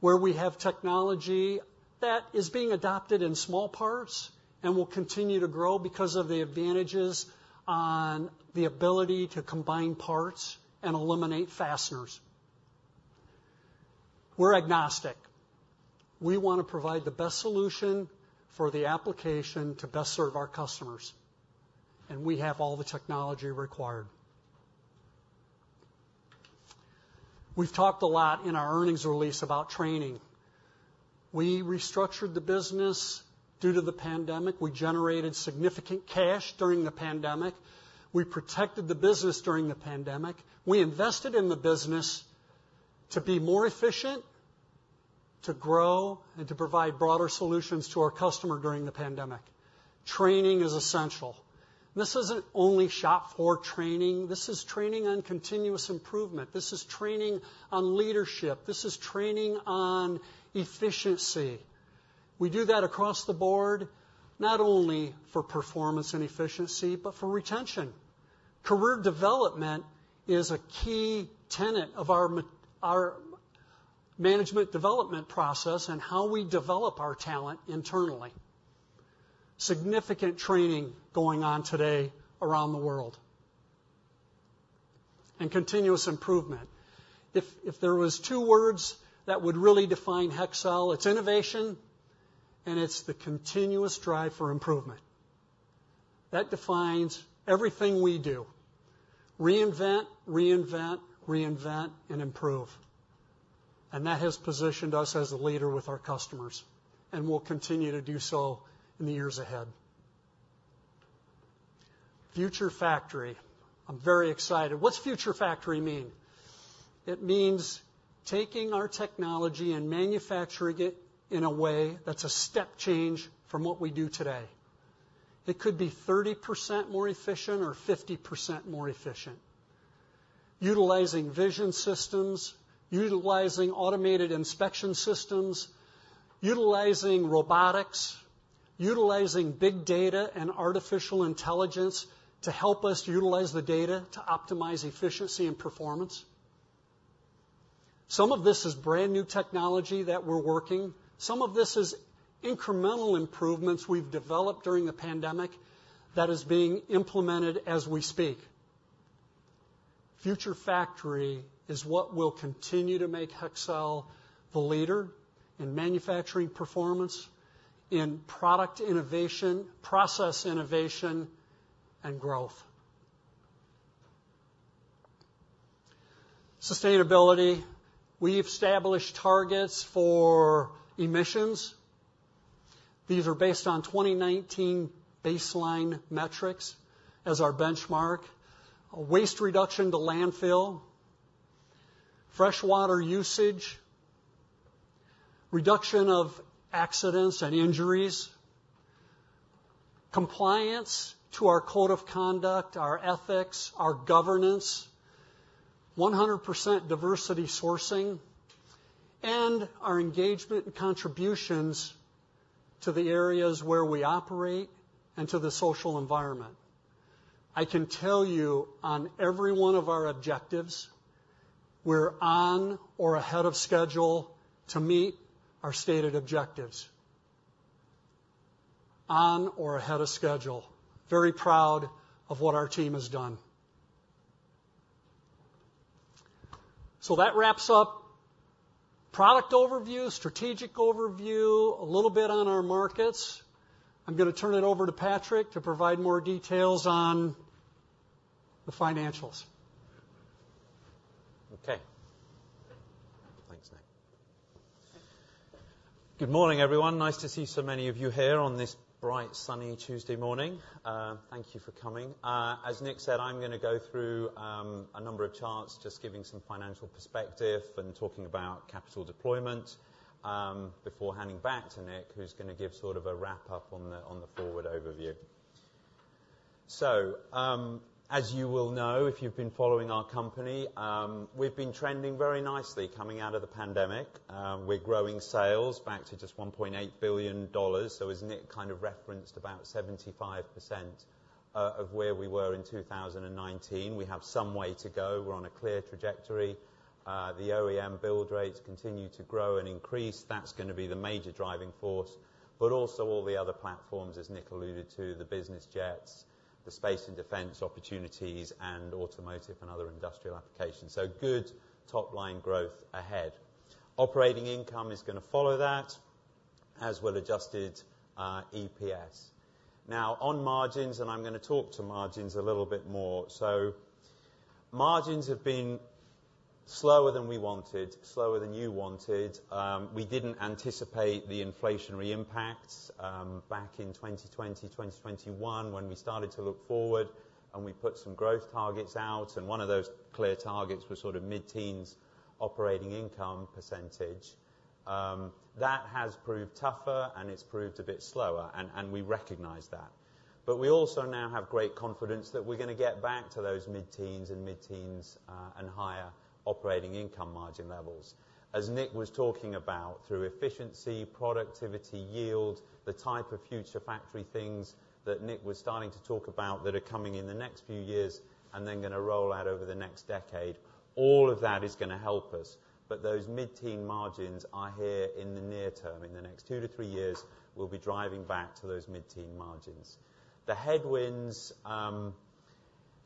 [SPEAKER 1] where we have technology that is being adopted in small parts and will continue to grow because of the advantages on the ability to combine parts and eliminate fasteners. We're agnostic. We want to provide the best solution for the application to best serve our customers. We have all the technology required. We've talked a lot in our earnings release about training. We restructured the business due to the pandemic. We generated significant cash during the pandemic. We protected the business during the pandemic. We invested in the business to be more efficient, to grow, and to provide broader solutions to our customer during the pandemic. Training is essential. This isn't only shop-floor training. This is training on continuous improvement. This is training on leadership. This is training on efficiency. We do that across the board, not only for performance and efficiency, but for retention. Career development is a key tenet of our management development process and how we develop our talent internally. Significant training going on today around the world and continuous improvement. If there was two words that would really define Hexcel, it's innovation. And it's the continuous drive for improvement. That defines everything we do: reinvent, reinvent, reinvent, and improve. And that has positioned us as a leader with our customers. And we'll continue to do so in the years ahead. Future factory. I'm very excited. What's future factory mean? It means taking our technology and manufacturing it in a way that's a step change from what we do today. It could be 30% more efficient or 50% more efficient, utilizing vision systems, utilizing automated inspection systems, utilizing robotics, utilizing big data and artificial intelligence to help us utilize the data to optimize efficiency and performance. Some of this is brand new technology that we're working. Some of this is incremental improvements we've developed during the pandemic that is being implemented as we speak. Future factory is what will continue to make Hexcel the leader in manufacturing performance, in product innovation, process innovation, and growth. Sustainability. We've established targets for emissions. These are based on 2019 baseline metrics as our benchmark: waste reduction to landfill, freshwater usage, reduction of accidents and injuries, compliance to our code of conduct, our ethics, our governance, 100% diversity sourcing, and our engagement and contributions to the areas where we operate and to the social environment. I can tell you on every one of our objectives, we're on or ahead of schedule to meet our stated objectives, on or ahead of schedule. Very proud of what our team has done. So that wraps up product overview, strategic overview, a little bit on our markets. I'm going to turn it over to Patrick to provide more details on the financials.
[SPEAKER 2] OK. Thanks, Nick. Good morning, everyone. Nice to see so many of you here on this bright, sunny Tuesday morning. Thank you for coming. As Nick said, I'm going to go through a number of charts, just giving some financial perspective and talking about capital deployment before handing back to Nick, who's going to give sort of a wrap-up on the forward overview. So as you will know, if you've been following our company, we've been trending very nicely coming out of the pandemic. We're growing sales back to just $1.8 billion. So as Nick kind of referenced, about 75% of where we were in 2019. We have some way to go. We're on a clear trajectory. The OEM build rates continue to grow and increase. That's going to be the major driving force. But also all the other platforms, as Nick alluded to, the business jets, the space and defense opportunities, and automotive and other industrial applications. So good top-line growth ahead. Operating income is going to follow that as well as adjusted EPS. Now, on margins, and I'm going to talk to margins a little bit more. So margins have been slower than we wanted, slower than you wanted. We didn't anticipate the inflationary impacts back in 2020, 2021, when we started to look forward. And we put some growth targets out. And one of those clear targets was sort of mid-teens operating income percentage. That has proved tougher. And it's proved a bit slower. And we recognize that. But we also now have great confidence that we're going to get back to those mid-teens and mid-teens and higher operating income margin levels, as Nick was talking about through efficiency, productivity, yield, the type of future factory things that Nick was starting to talk about that are coming in the next few years and then going to roll out over the next decade. All of that is going to help us. But those mid-teen margins, I hear, in the near term, in the next two to three years, we'll be driving back to those mid-teen margins. The headwinds,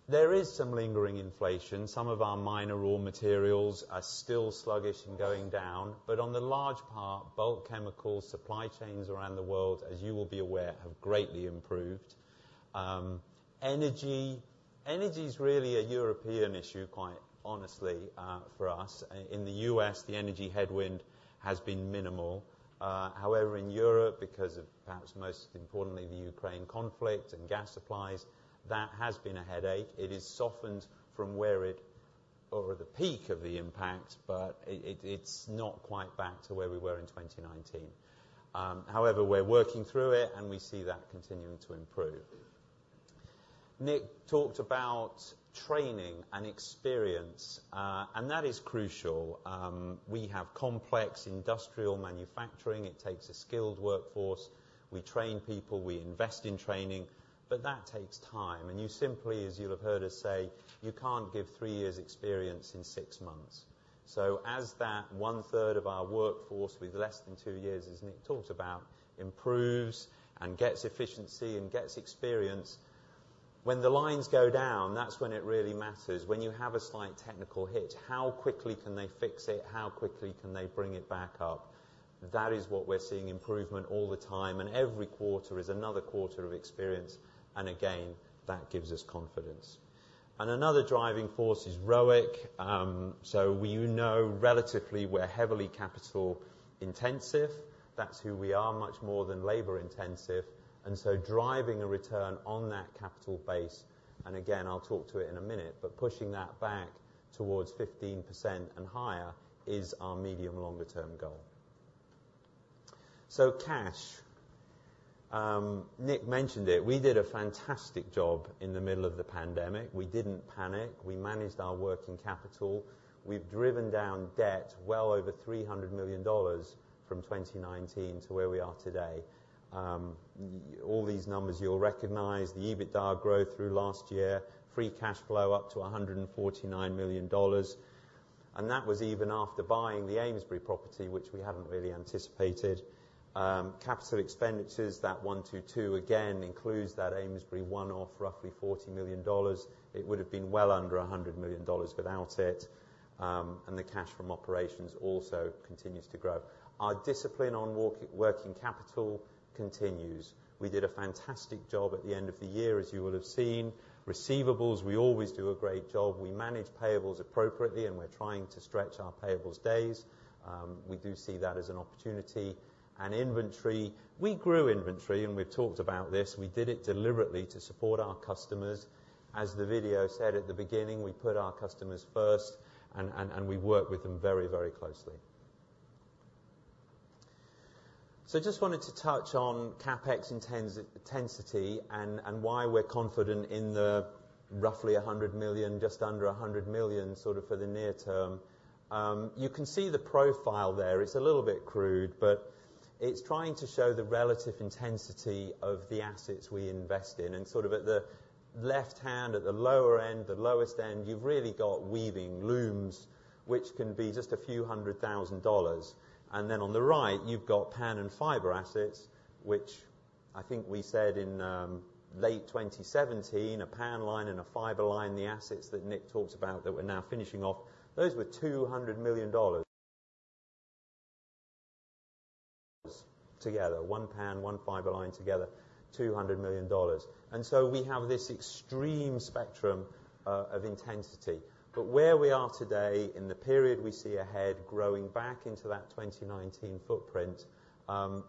[SPEAKER 2] there is some lingering inflation. Some of our minor raw materials are still sluggish and going down. But on the large part, bulk chemicals, supply chains around the world, as you will be aware, have greatly improved. Energy is really a European issue, quite honestly, for us. In the U.S., the energy headwind has been minimal. However, in Europe, because of, perhaps most importantly, the Ukraine conflict and gas supplies, that has been a headache. It has softened from where it or the peak of the impact. But it's not quite back to where we were in 2019. However, we're working through it. And we see that continuing to improve. Nick talked about training and experience. And that is crucial. We have complex industrial manufacturing. It takes a skilled workforce. We train people. We invest in training. But that takes time. And you simply, as you'll have heard us say, you can't give three years' experience in six months. So as that 1/3 of our workforce with less than two years, as Nick talked about, improves and gets efficiency and gets experience, when the lines go down, that's when it really matters, when you have a slight technical hit. How quickly can they fix it? How quickly can they bring it back up? That is what we're seeing improvement all the time. Every quarter is another quarter of experience. And again, that gives us confidence. Another driving force is ROIC. We know relatively we're heavily capital-intensive. That's who we are, much more than labor-intensive. Driving a return on that capital base and again, I'll talk to it in a minute, but pushing that back towards 15% and higher is our medium-longer-term goal. Cash. Nick mentioned it. We did a fantastic job in the middle of the pandemic. We didn't panic. We managed our working capital. We've driven down debt well over $300 million from 2019 to where we are today. All these numbers you'll recognize, the EBITDA growth through last year, free cash flow up to $149 million. That was even after buying the Amesbury property, which we hadn't really anticipated. Capital expenditures, that $122 million, again, includes that Amesbury one-off, roughly $40 million. It would have been well under $100 million without it. The cash from operations also continues to grow. Our discipline on working capital continues. We did a fantastic job at the end of the year, as you will have seen. Receivables, we always do a great job. We manage payables appropriately. We're trying to stretch our payables days. We do see that as an opportunity. Inventory, we grew inventory. We've talked about this. We did it deliberately to support our customers. As the video said at the beginning, we put our customers first. We work with them very, very closely. I just wanted to touch on CapEx intensity and why we're confident in the roughly $100 million, just under $100 million, sort of for the near term. You can see the profile there. It's a little bit crude. It's trying to show the relative intensity of the assets we invest in. Sort of at the left hand, at the lower end, the lowest end, you've really got weaving, looms, which can be just a few hundred thousand dollars. And then on the right, you've got PAN and fiber assets, which I think we said in late 2017, a PAN line and a fiber line, the assets that Nick talked about that we're now finishing off, those were $200 million together, one PAN, one fiber line together, $200 million. And so we have this extreme spectrum of intensity. But where we are today, in the period we see ahead, growing back into that 2019 footprint,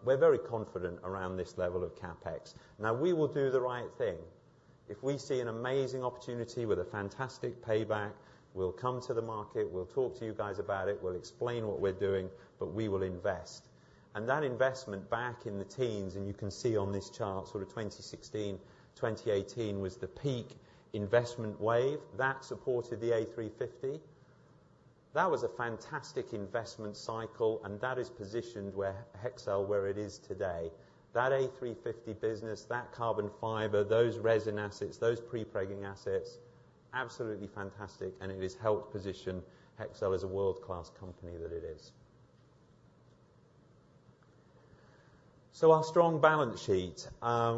[SPEAKER 2] we're very confident around this level of CapEx. Now, we will do the right thing. If we see an amazing opportunity with a fantastic payback, we'll come to the market. We'll talk to you guys about it. We'll explain what we're doing. But we will invest. And that investment back in the teens, and you can see on this chart, sort of 2016, 2018 was the peak investment wave. That supported the A350. That was a fantastic investment cycle. And that has positioned Hexcel where it is today. That A350 business, that carbon fiber, those resin assets, those prepregging assets, absolutely fantastic. And it has helped position Hexcel as a world-class company that it is. So our strong balance sheet,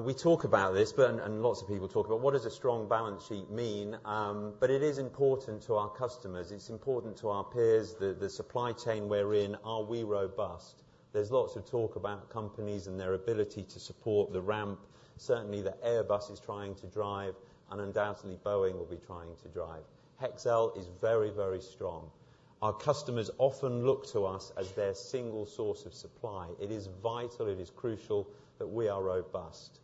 [SPEAKER 2] we talk about this. And lots of people talk about, what does a strong balance sheet mean? But it is important to our customers. It's important to our peers, the supply chain we're in. Are we robust? There's lots of talk about companies and their ability to support the ramp. Certainly, the Airbus is trying to drive. And undoubtedly, Boeing will be trying to drive. Hexcel is very, very strong. Our customers often look to us as their single source of supply. It is vital. It is crucial that we are robust.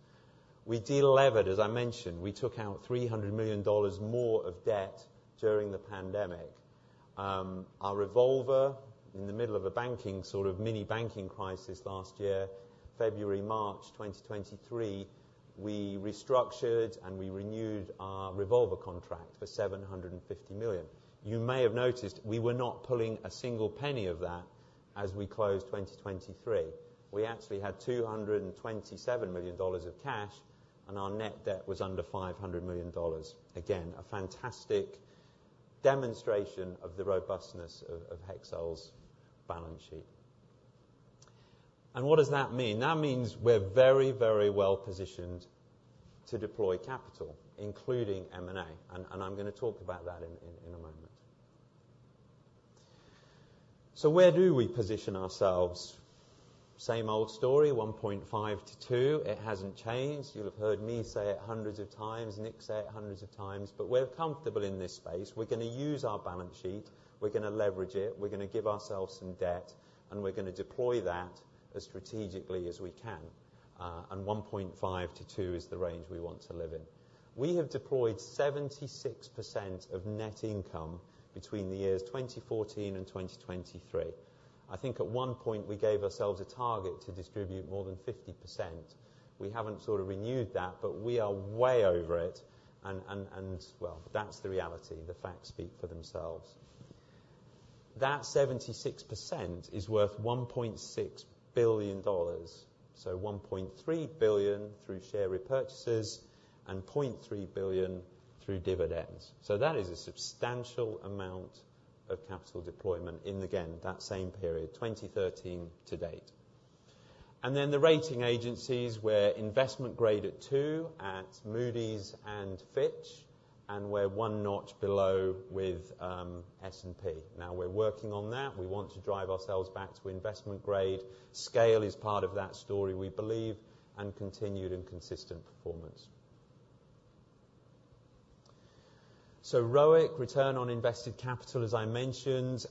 [SPEAKER 2] We de-levered, as I mentioned. We took out $300 million more of debt during the pandemic. Our revolver, in the middle of a banking sort of mini banking crisis last year, February, March 2023, we restructured and we renewed our revolver contract for $750 million. You may have noticed, we were not pulling a single penny of that as we closed 2023. We actually had $227 million of cash. Our net debt was under $500 million, again, a fantastic demonstration of the robustness of Hexcel's balance sheet. What does that mean? That means we're very, very well positioned to deploy capital, including M&A. I'm going to talk about that in a moment. So where do we position ourselves? Same old story, 1.5-2. It hasn't changed. You'll have heard me say it hundreds of times. Nick said it hundreds of times. We're comfortable in this space. We're going to use our balance sheet. We're going to leverage it. We're going to give ourselves some debt. And we're going to deploy that as strategically as we can. And 1.5-2 is the range we want to live in. We have deployed 76% of net income between the years 2014 and 2023. I think at one point, we gave ourselves a target to distribute more than 50%. We haven't sort of renewed that. But we are way over it. And well, that's the reality. The facts speak for themselves. That 76% is worth $1.6 billion, so $1.3 billion through share repurchases and $0.3 billion through dividends. So that is a substantial amount of capital deployment in, again, that same period, 2013 to date. And then the rating agencies, we're investment grade at two at Moody's and Fitch. And we're one notch below with S&P. Now, we're working on that. We want to drive ourselves back to investment grade. Scale is part of that story, we believe, and continued and consistent performance. So ROIC, return on invested capital, as I mentioned.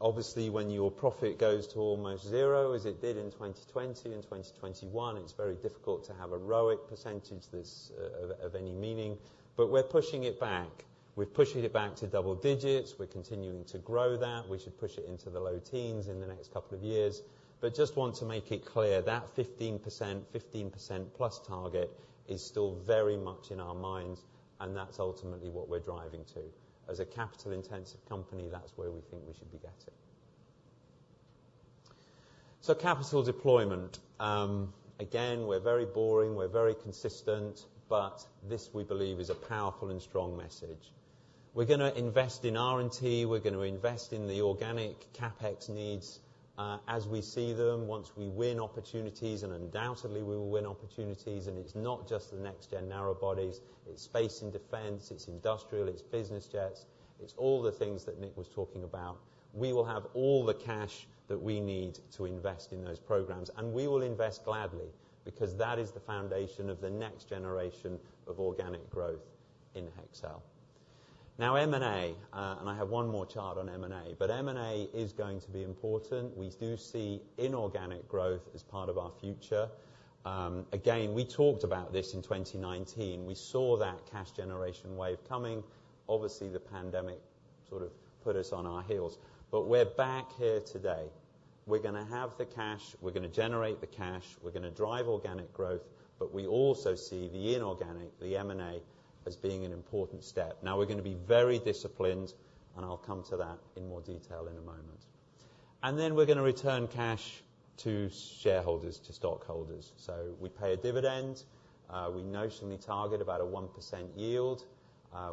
[SPEAKER 2] Obviously, when your profit goes to almost zero, as it did in 2020 and 2021, it's very difficult to have a ROIC percentage of any meaning. But we're pushing it back. We've pushed it back to double digits. We're continuing to grow that. We should push it into the low teens in the next couple of years. But just want to make it clear, that 15%, 15%+ target is still very much in our minds. And that's ultimately what we're driving to. As a capital-intensive company, that's where we think we should be getting. So capital deployment, again, we're very boring. We're very consistent. But this, we believe, is a powerful and strong message. We're going to invest in R&T. We're going to invest in the organic CapEx needs as we see them, once we win opportunities. Undoubtedly, we will win opportunities. It's not just the next-gen narrowbodies. It's space and defense. It's industrial. It's business jets. It's all the things that Nick was talking about. We will have all the cash that we need to invest in those programs. We will invest gladly because that is the foundation of the next generation of organic growth in Hexcel. Now, M&A, and I have one more chart on M&A. But M&A is going to be important. We do see inorganic growth as part of our future. Again, we talked about this in 2019. We saw that cash generation wave coming. Obviously, the pandemic sort of put us on our heels. But we're back here today. We're going to have the cash. We're going to generate the cash. We're going to drive organic growth. But we also see the inorganic, the M&A, as being an important step. Now, we're going to be very disciplined. And I'll come to that in more detail in a moment. And then we're going to return cash to shareholders, to stockholders. So we pay a dividend. We notionally target about a 1% yield.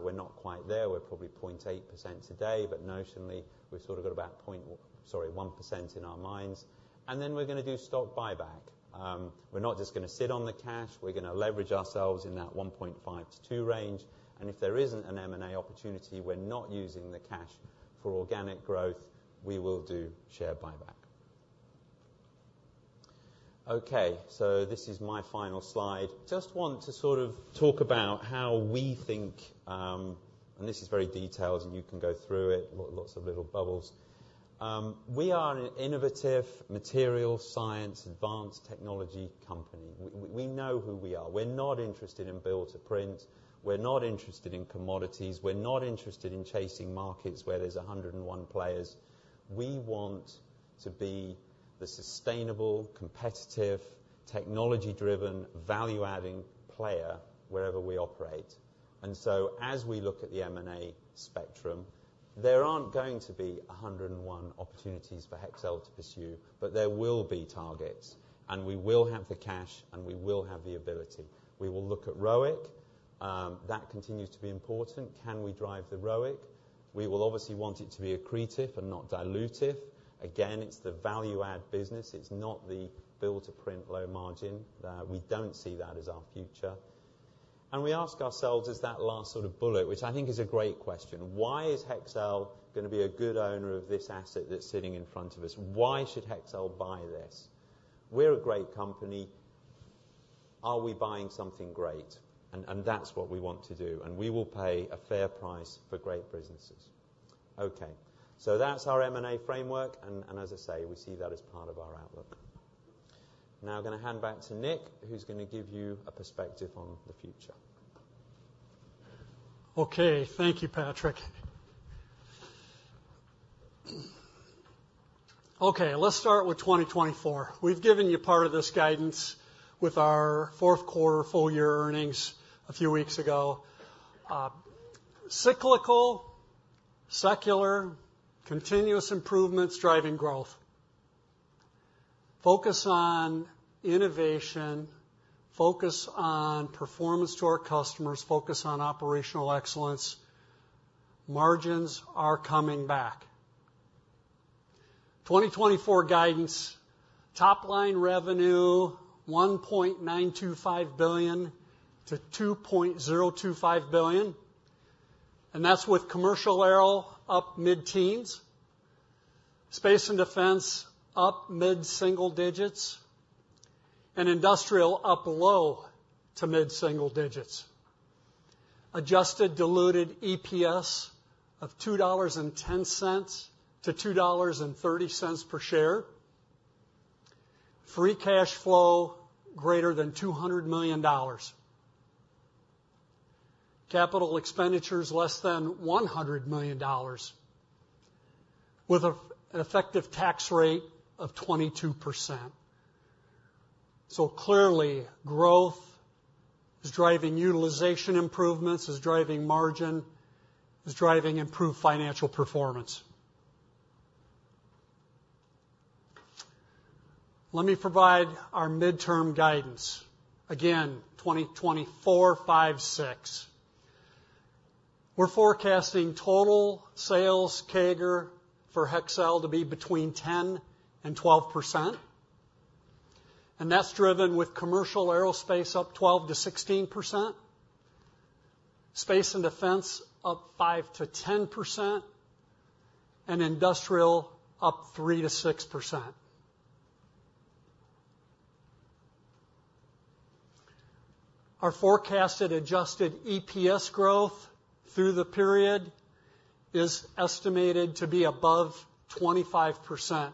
[SPEAKER 2] We're not quite there. We're probably 0.8% today. But notionally, we've sort of got about, sorry, 1% in our minds. And then we're going to do stock buyback. We're not just going to sit on the cash. We're going to leverage ourselves in that 1.5-2 range. And if there isn't an M&A opportunity, we're not using the cash for organic growth. We will do share buyback. Okay. This is my final slide. Just want to sort of talk about how we think and this is very detailed. You can go through it. Lots of little bubbles. We are an innovative materials science, advanced technology company. We know who we are. We're not interested in build to print. We're not interested in commodities. We're not interested in chasing markets where there's 101 players. We want to be the sustainable, competitive, technology-driven, value-adding player wherever we operate. So as we look at the M&A spectrum, there aren't going to be 101 opportunities for Hexcel to pursue. But there will be targets. We will have the cash. We will have the ability. We will look at ROIC. That continues to be important. Can we drive the ROIC? We will obviously want it to be accretive and not dilutive. Again, it's the value-add business. It's not the build to print low margin. We don't see that as our future. We ask ourselves as that last sort of bullet, which I think is a great question, why is Hexcel going to be a good owner of this asset that's sitting in front of us? Why should Hexcel buy this? We're a great company. Are we buying something great? That's what we want to do. We will pay a fair price for great businesses. Okay. That's our M&A framework. As I say, we see that as part of our outlook. Now, I'm going to hand back to Nick, who's going to give you a perspective on the future.
[SPEAKER 1] Okay. Thank you, Patrick. Okay. Let's start with 2024. We've given you part of this guidance with our fourth quarter full-year earnings a few weeks ago. Cyclical, secular, continuous improvements driving growth. Focus on innovation. Focus on performance to our customers. Focus on operational excellence. Margins are coming back. 2024 guidance, top-line revenue $1.925 billion-$2.025 billion. And that's with commercial aero up mid-teens. Space and defense up mid-single digits. And industrial up low to mid-single digits. Adjusted diluted EPS of $2.10-$2.30 per share. Free cash flow greater than $200 million. Capital expenditures less than $100 million with an effective tax rate of 22%. So clearly, growth is driving utilization improvements, is driving margin, is driving improved financial performance. Let me provide our midterm guidance, again, 2024-2026. We're forecasting total sales CAGR for Hexcel to be between 10%-12%. And that's driven with commercial aerospace up 12%-16%. Space and defense up 5%-10%. And industrial up 3%-6%. Our forecasted adjusted EPS growth through the period is estimated to be above 25%.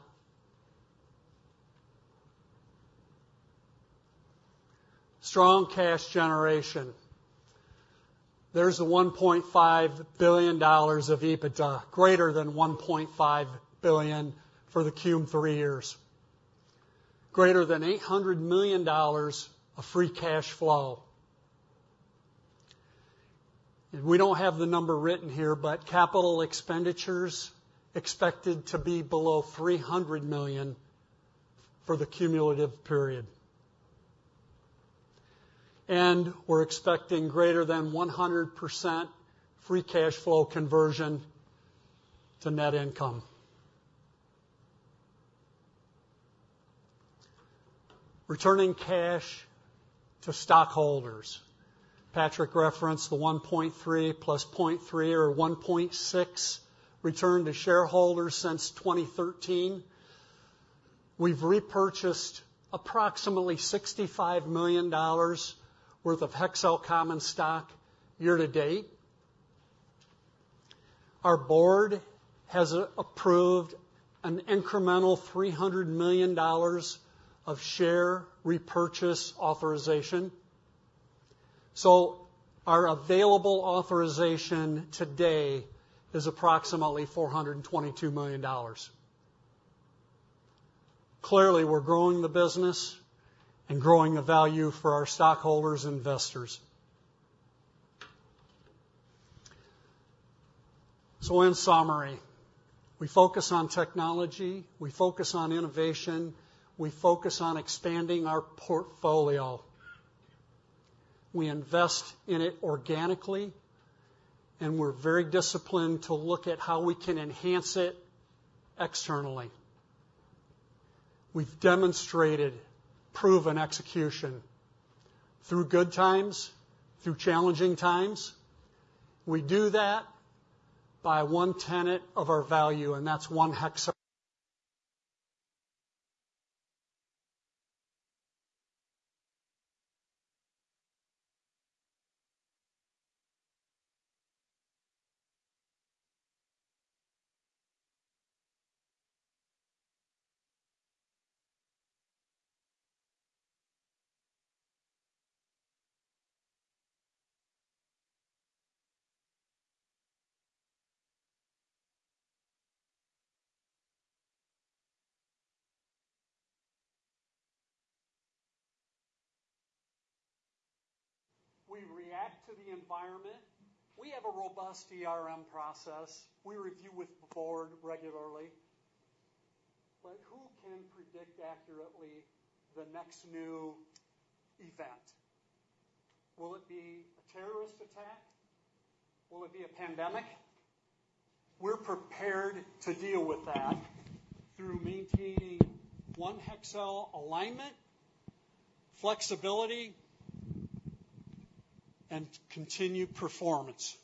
[SPEAKER 1] Strong cash generation. There's $1.5 billion of EBITDA, greater than $1.5 billion for the three years. Greater than $800 million of free cash flow. We don't have the number written here. Capital expenditures expected to be below $300 million for the cumulative period. We're expecting greater than 100% free cash flow conversion to net income. Returning cash to stockholders. Patrick referenced the $1.3 + $0.3 or $1.6 return to shareholders since 2013. We've repurchased approximately $65 million worth of Hexcel common stock year to date. Our board has approved an incremental $300 million of share repurchase authorization. Our available authorization today is approximately $422 million. Clearly, we're growing the business and growing the value for our stockholders and investors. In summary, we focus on technology. We focus on innovation. We focus on expanding our portfolio. We invest in it organically. We're very disciplined to look at how we can enhance it externally. We've demonstrated proven execution through good times, through challenging times. We do that by one tenet of our value. And that's one Hexcel. We react to the environment. We have a robust process. We review with the board regularly. But who can predict accurately the next new event? Will it be a terrorist attack? Will it be a pandemic? We're prepared to deal with that through maintaining One Hexcel alignment, flexibility, and continued performance.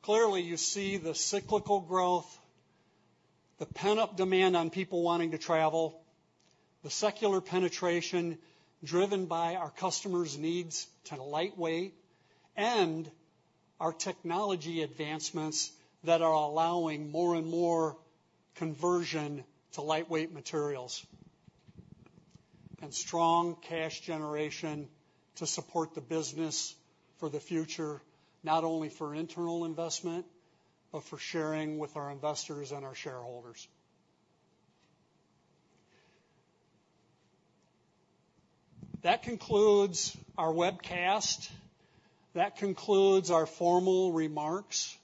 [SPEAKER 1] Clearly, you see the cyclical growth, the pent-up demand on people wanting to travel, the secular penetration driven by our customers' needs to lightweight, and our technology advancements that are allowing more and more conversion to lightweight materials. And strong cash generation to support the business for the future, not only for internal investment but for sharing with our investors and our shareholders. That concludes our webcast. That concludes our formal remarks.